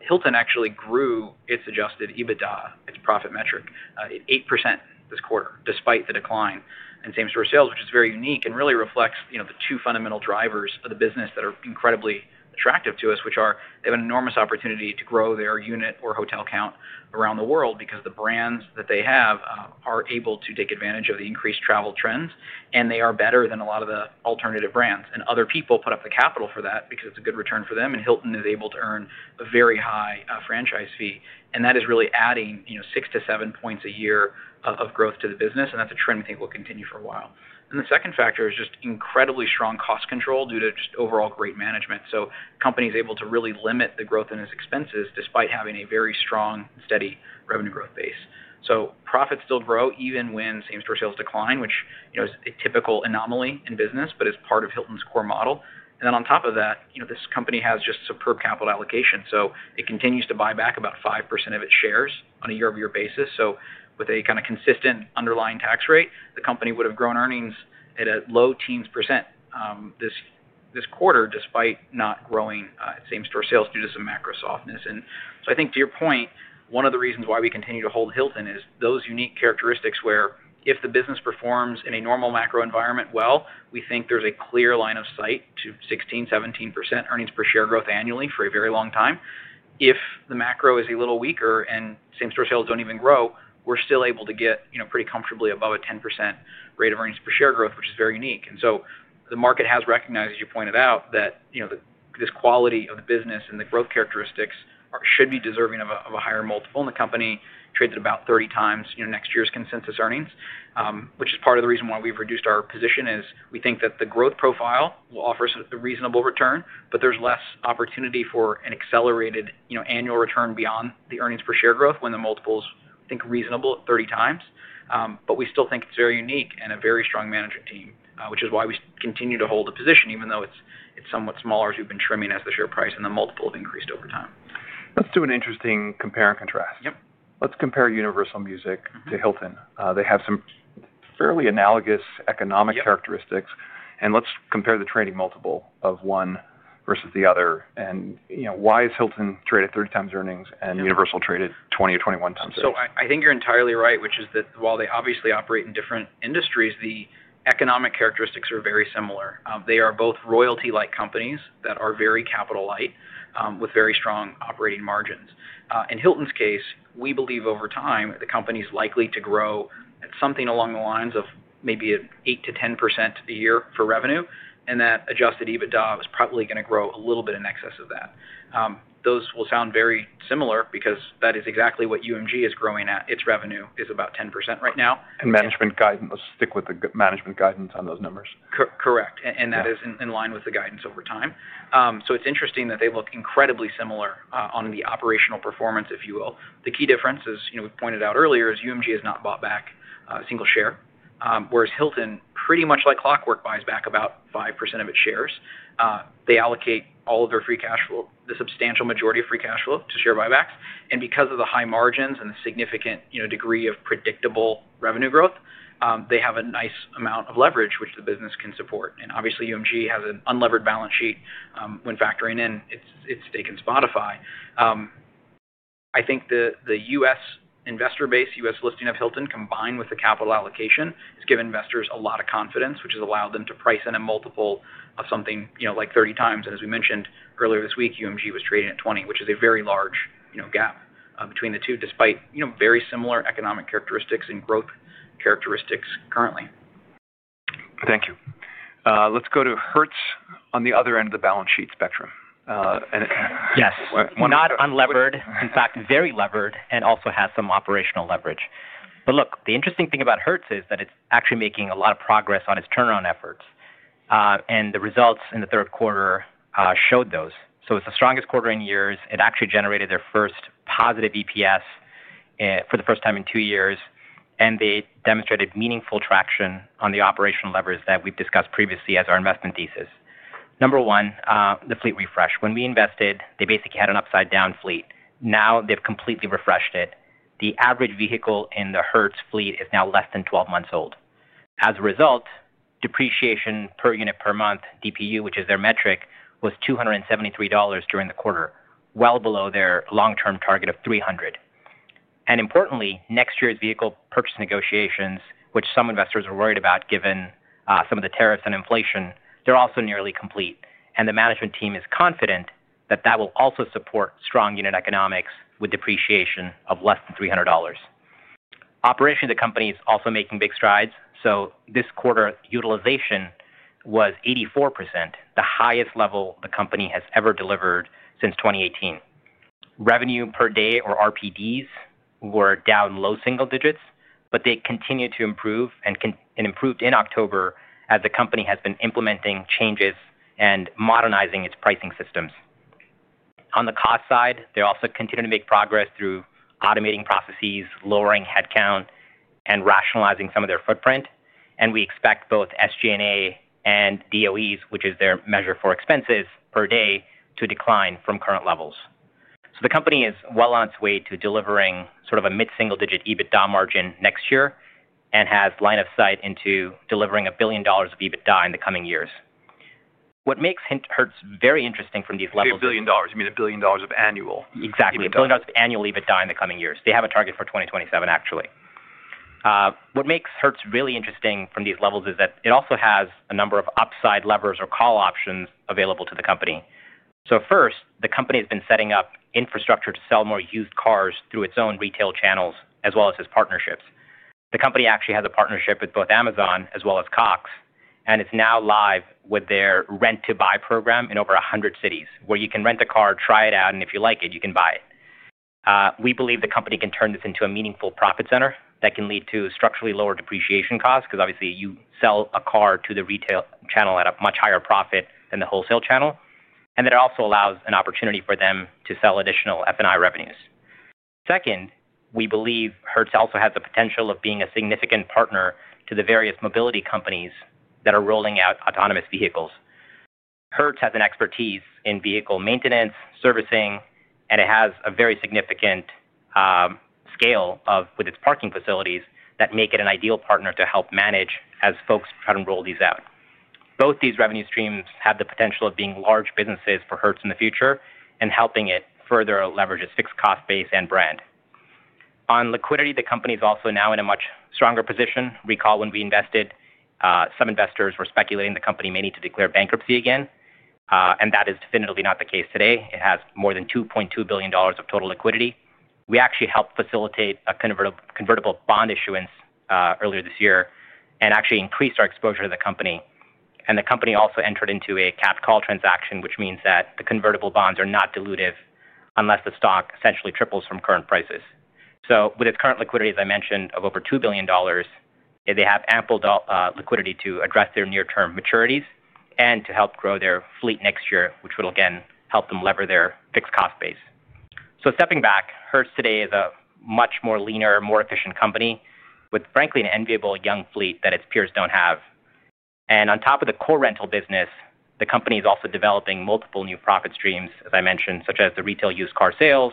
Hilton actually grew its adjusted EBITDA, its profit metric, 8% this quarter despite the decline in same-store sales, which is very unique and really reflects the two fundamental drivers of the business that are incredibly attractive to us, which are they have an enormous opportunity to grow their unit or hotel count around the world because the brands that they have are able to take advantage of the increased travel trends, and they are better than a lot of the alternative brands. Other people put up the capital for that because it's a good return for them, and Hilton is able to earn a very high franchise fee. That is really adding 6-7 points a year of growth to the business, and that's a trend we think will continue for a while. The second factor is just incredibly strong cost control due to just overall great management. The company is able to really limit the growth in its expenses despite having a very strong and steady revenue growth base. Profits still grow even when same-store sales decline, which is a typical anomaly in business, but it is part of Hilton's core model. On top of that, this company has just superb capital allocation. It continues to buy back about 5% of its shares on a year-over-year basis. With a kind of consistent underlying tax rate, the company would have grown earnings at a low teens percent this quarter despite not growing same-store sales due to some macro softness. I think to your point, one of the reasons why we continue to hold Hilton is those unique characteristics where if the business performs in a normal macro environment well, we think there's a clear line of sight to 16%-17% earnings per share growth annually for a very long time. If the macro is a little weaker and same-store sales don't even grow, we're still able to get pretty comfortably above a 10% rate of earnings per share growth, which is very unique. The market has recognized, as you pointed out, that this quality of the business and the growth characteristics should be deserving of a higher multiple. The company traded about 30x next year's consensus earnings, which is part of the reason why we've reduced our position is we think that the growth profile will offer us a reasonable return, but there's less opportunity for an accelerated annual return beyond the earnings per share growth when the multiple is, I think, reasonable at 30x. We still think it's very unique and a very strong management team, which is why we continue to hold the position, even though it's somewhat smaller, as we've been trimming as the share price and the multiple have increased over time.
Let's do an interesting compare and contrast.
Yep.
Let's compare Universal Music to Hilton. They have some fairly analogous economic characteristics. Let's compare the trading multiple of one versus the other. Why is Hilton traded 30x earnings and Universal traded 20x or 21x earnings?
I think you're entirely right, which is that while they obviously operate in different industries, the economic characteristics are very similar. They are both royalty-like companies that are very capital-light with very strong operating margins. In Hilton's case, we believe over time the company is likely to grow at something along the lines of maybe an 8%-10% a year for revenue. That adjusted EBITDA is probably going to grow a little bit in excess of that. Those will sound very similar because that is exactly what UMG is growing at. Its revenue is about 10% right now.
Management guidance, let's stick with the management guidance on those numbers.
Correct. That is in line with the guidance over time. It is interesting that they look incredibly similar on the operational performance, if you will. The key difference, as we pointed out earlier, is UMG has not bought back a single share, whereas Hilton, pretty much like clockwork, buys back about 5% of its shares. They allocate all of their free cash flow, the substantial majority of free cash flow to share buybacks. Because of the high margins and the significant degree of predictable revenue growth, they have a nice amount of leverage, which the business can support. Obviously, UMG has an unlevered balance sheet when factoring in its stake in Spotify. I think the US investor base, US listing of Hilton, combined with the capital allocation, has given investors a lot of confidence, which has allowed them to price in a multiple of something like 30x. As we mentioned earlier this week, UMG was trading at 20, which is a very large gap between the two, despite very similar economic characteristics and growth characteristics currently.
Thank you. Let's go to Hertz on the other end of the balance sheet spectrum.
Yes. Not unlevered. In fact, very levered and also has some operational leverage. Look, the interesting thing about Hertz is that it's actually making a lot of progress on its turnaround efforts. The results in the third quarter showed those. It is the strongest quarter in years. It actually generated their first positive EPS for the first time in two years. They demonstrated meaningful traction on the operational levers that we've discussed previously as our investment thesis. Number one, the fleet refresh. When we invested, they basically had an upside-down fleet. Now they've completely refreshed it. The average vehicle in the Hertz fleet is now less than 12 months old. As a result, depreciation per unit per month, DPU, which is their metric, was $273 during the quarter, well below their long-term target of $300. Importantly, next year's vehicle purchase negotiations, which some investors are worried about given some of the tariffs and inflation, are also nearly complete. The management team is confident that that will also support strong unit economics with depreciation of less than $300. Operation of the company is also making big strides. This quarter, utilization was 84%, the highest level the company has ever delivered since 2018. Revenue per day, or RPDs, were down low single digits, but they continue to improve and improved in October as the company has been implementing changes and modernizing its pricing systems. On the cost side, they also continue to make progress through automating processes, lowering headcount, and rationalizing some of their footprint. We expect both SG&A and DOEs, which is their measure for expenses per day, to decline from current levels. The company is well on its way to delivering sort of a mid-single-digit EBITDA margin next year and has line of sight into delivering $1 billion of EBITDA in the coming years. What makes Hertz very interesting from these levels is—
You mean a billion dollars of annual?
Exactly. A billion dollars of annual EBITDA in the coming years. They have a target for 2027, actually. What makes Hertz really interesting from these levels is that it also has a number of upside levers or call options available to the company. First, the company has been setting up infrastructure to sell more used cars through its own retail channels as well as its partnerships. The company actually has a partnership with both Amazon as well as Cox Automotive. It is now live with their rent-to-buy program in over 100 cities where you can rent a car, try it out, and if you like it, you can buy it. We believe the company can turn this into a meaningful profit center that can lead to structurally lower depreciation costs because obviously you sell a car to the retail channel at a much higher profit than the wholesale channel. That also allows an opportunity for them to sell additional F&I revenues. Second, we believe Hertz also has the potential of being a significant partner to the various mobility companies that are rolling out autonomous vehicles. Hertz has an expertise in vehicle maintenance, servicing, and it has a very significant scale with its parking facilities that make it an ideal partner to help manage as folks try to roll these out. Both these revenue streams have the potential of being large businesses for Hertz in the future and helping it further leverage its fixed cost base and brand. On liquidity, the company is also now in a much stronger position. Recall when we invested, some investors were speculating the company may need to declare bankruptcy again. That is definitively not the case today. It has more than $2.2 billion of total liquidity. We actually helped facilitate a convertible bond issuance earlier this year and actually increased our exposure to the company. The company also entered into a capped call transaction, which means that the convertible bonds are not dilutive unless the stock essentially triples from current prices. With its current liquidity, as I mentioned, of over $2 billion, they have ample liquidity to address their near-term maturities and to help grow their fleet next year, which will again help them lever their fixed cost base. Stepping back, Hertz today is a much more leaner, more efficient company with, frankly, an enviable young fleet that its peers do not have. On top of the core rental business, the company is also developing multiple new profit streams, as I mentioned, such as the retail used car sales,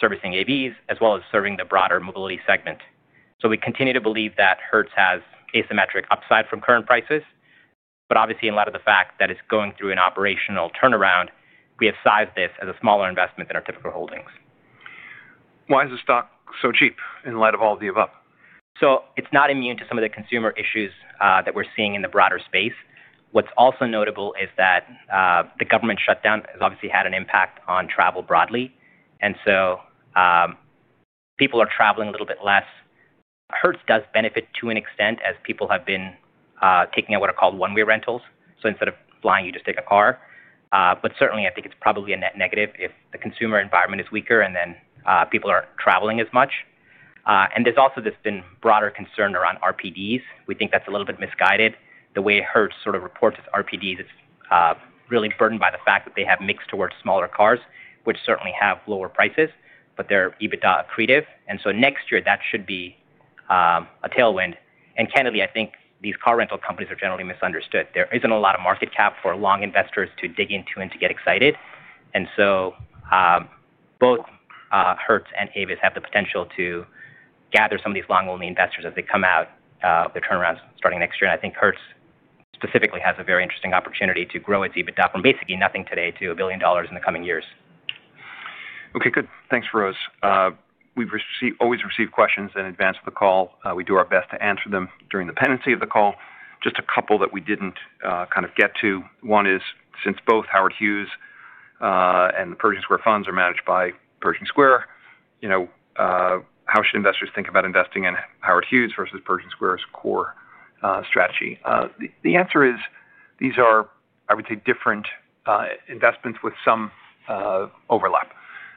servicing AVs, as well as serving the broader mobility segment. We continue to believe that Hertz has asymmetric upside from current prices. Obviously, in light of the fact that it's going through an operational turnaround, we have sized this as a smaller investment than our typical holdings.
Why is the stock so cheap in light of all of the above?
It is not immune to some of the consumer issues that we are seeing in the broader space. What is also notable is that the government shutdown has obviously had an impact on travel broadly. People are traveling a little bit less. Hertz does benefit to an extent as people have been taking out what are called one-way rentals. Instead of flying, you just take a car. Certainly, I think it is probably a net negative if the consumer environment is weaker and people are not traveling as much. There has also been broader concern around RPDs. We think that is a little bit misguided. The way Hertz reports its RPDs is really burdened by the fact that they have mixed towards smaller cars, which certainly have lower prices, but their EBITDA is accretive. Next year, that should be a tailwind. Candidly, I think these car rental companies are generally misunderstood. There is not a lot of market cap for long investors to dig into and to get excited. Both Hertz and AVs have the potential to gather some of these long-only investors as they come out of their turnarounds starting next year. I think Hertz specifically has a very interesting opportunity to grow its EBITDA from basically nothing today to $1 billion in the coming years.
Okay. Good. Thanks, Bharath. We've always received questions in advance of the call. We do our best to answer them during the pendency of the call. Just a couple that we didn't kind of get to. One is, since both Howard Hughes and the Pershing Square Funds are managed by Pershing Square, how should investors think about investing in Howard Hughes versus Pershing Square's core strategy? The answer is these are, I would say, different investments with some overlap.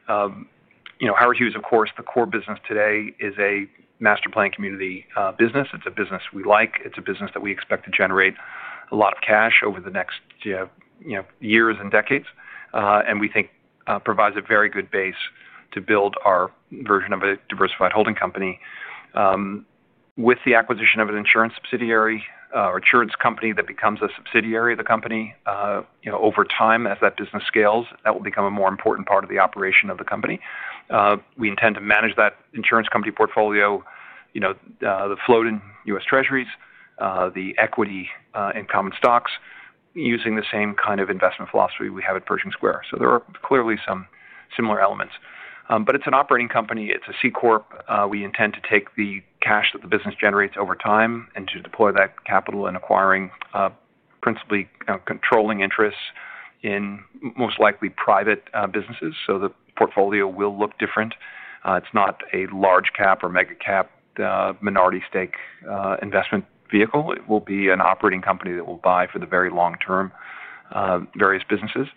Howard Hughes, of course, the core business today is a master plan community business. It's a business we like. It's a business that we expect to generate a lot of cash over the next years and decades. We think provides a very good base to build our version of a diversified holding company. With the acquisition of an insurance subsidiary or insurance company that becomes a subsidiary of the company, over time as that business scales, that will become a more important part of the operation of the company. We intend to manage that insurance company portfolio, the floating US treasuries, the equity in common stocks, using the same kind of investment philosophy we have at Pershing Square. There are clearly some similar elements. It is an operating company. It is a C Corp. We intend to take the cash that the business generates over time and to deploy that capital in acquiring principally controlling interests in most likely private businesses. The portfolio will look different. It is not a large cap or mega cap minority stake investment vehicle. It will be an operating company that will buy for the very long term various businesses.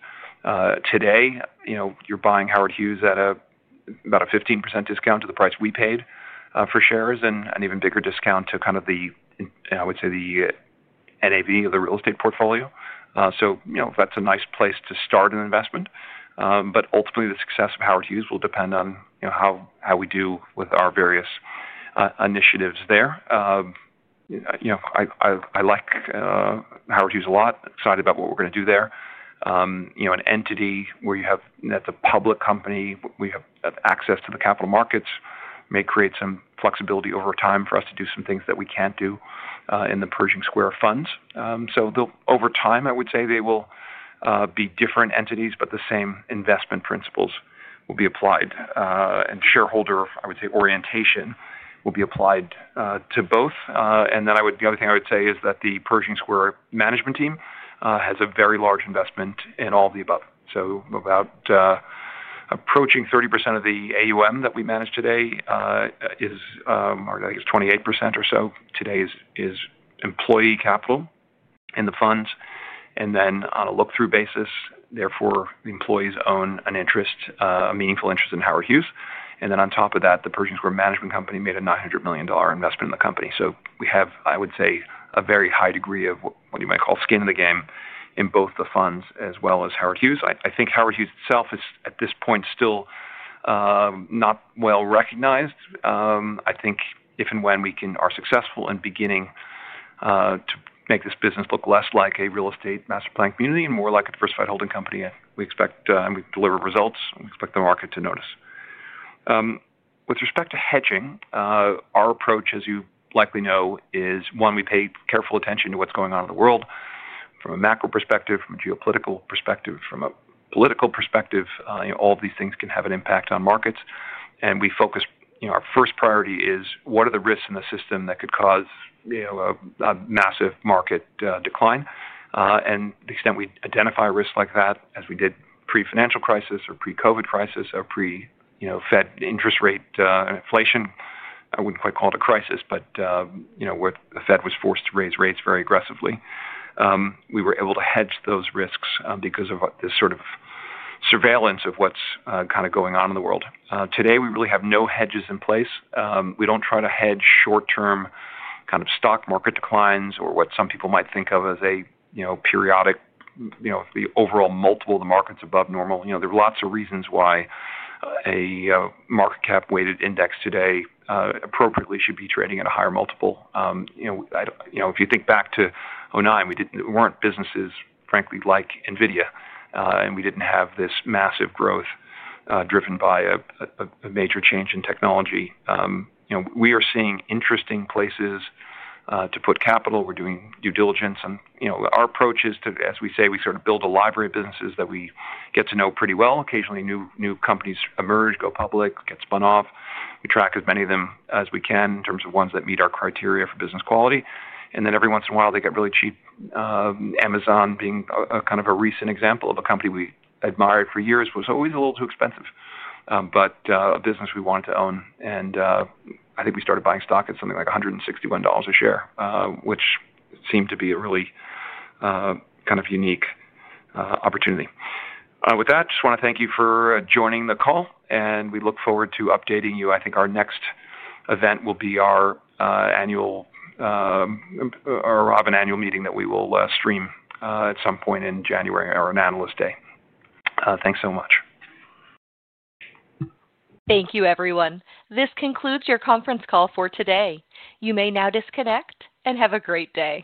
Today, you're buying Howard Hughes at about a 15% discount to the price we paid for shares and an even bigger discount to kind of the, I would say, the NAV of the real estate portfolio. That is a nice place to start an investment. Ultimately, the success of Howard Hughes will depend on how we do with our various initiatives there. I like Howard Hughes a lot. Excited about what we're going to do there. An entity where you have that's a public company, we have access to the capital markets, may create some flexibility over time for us to do some things that we can't do in the Pershing Square Funds. Over time, I would say they will be different entities, but the same investment principles will be applied. Shareholder, I would say, orientation will be applied to both. The other thing I would say is that the Pershing Square management team has a very large investment in all of the above. About approaching 30% of the AUM that we manage today is, I guess, 28% or so today is employee capital in the funds. On a look-through basis, therefore, the employees own an interest, a meaningful interest in Howard Hughes. On top of that, the Pershing Square management company made a $900 million investment in the company. We have, I would say, a very high degree of what you might call skin in the game in both the funds as well as Howard Hughes. I think Howard Hughes itself is at this point still not well recognized. I think if and when we are successful in beginning to make this business look less like a real estate master plan community and more like a diversified holding company, we expect and we deliver results. We expect the market to notice. With respect to hedging, our approach, as you likely know, is one, we pay careful attention to what's going on in the world from a macro perspective, from a geopolitical perspective, from a political perspective. All of these things can have an impact on markets. Our first priority is what are the risks in the system that could cause a massive market decline. To the extent we identify risks like that, as we did pre-financial crisis or pre-COVID crisis or pre-Fed interest rate inflation, I would not quite call it a crisis, but where the Fed was forced to raise rates very aggressively, we were able to hedge those risks because of this sort of surveillance of what is kind of going on in the world. Today, we really have no hedges in place. We do not try to hedge short-term kind of stock market declines or what some people might think of as a periodic overall multiple of the markets above normal. There are lots of reasons why a market cap-weighted index today appropriately should be trading at a higher multiple. If you think back to 2009, we were not businesses, frankly, like NVIDIA. And we did not have this massive growth driven by a major change in technology. We are seeing interesting places to put capital. We're doing due diligence. Our approach is to, as we say, we sort of build a library of businesses that we get to know pretty well. Occasionally, new companies emerge, go public, get spun off. We track as many of them as we can in terms of ones that meet our criteria for business quality. Then every once in a while, they get really cheap. Amazon, being kind of a recent example of a company we admired for years, was always a little too expensive, but a business we wanted to own. I think we started buying stock at something like $161 a share, which seemed to be a really kind of unique opportunity. With that, I just want to thank you for joining the call. We look forward to updating you. I think our next event will be our Robin annual meeting that we will stream at some point in January or on Analyst Day. Thanks so much.
Thank you, everyone. This concludes your conference call for today. You may now disconnect and have a great day.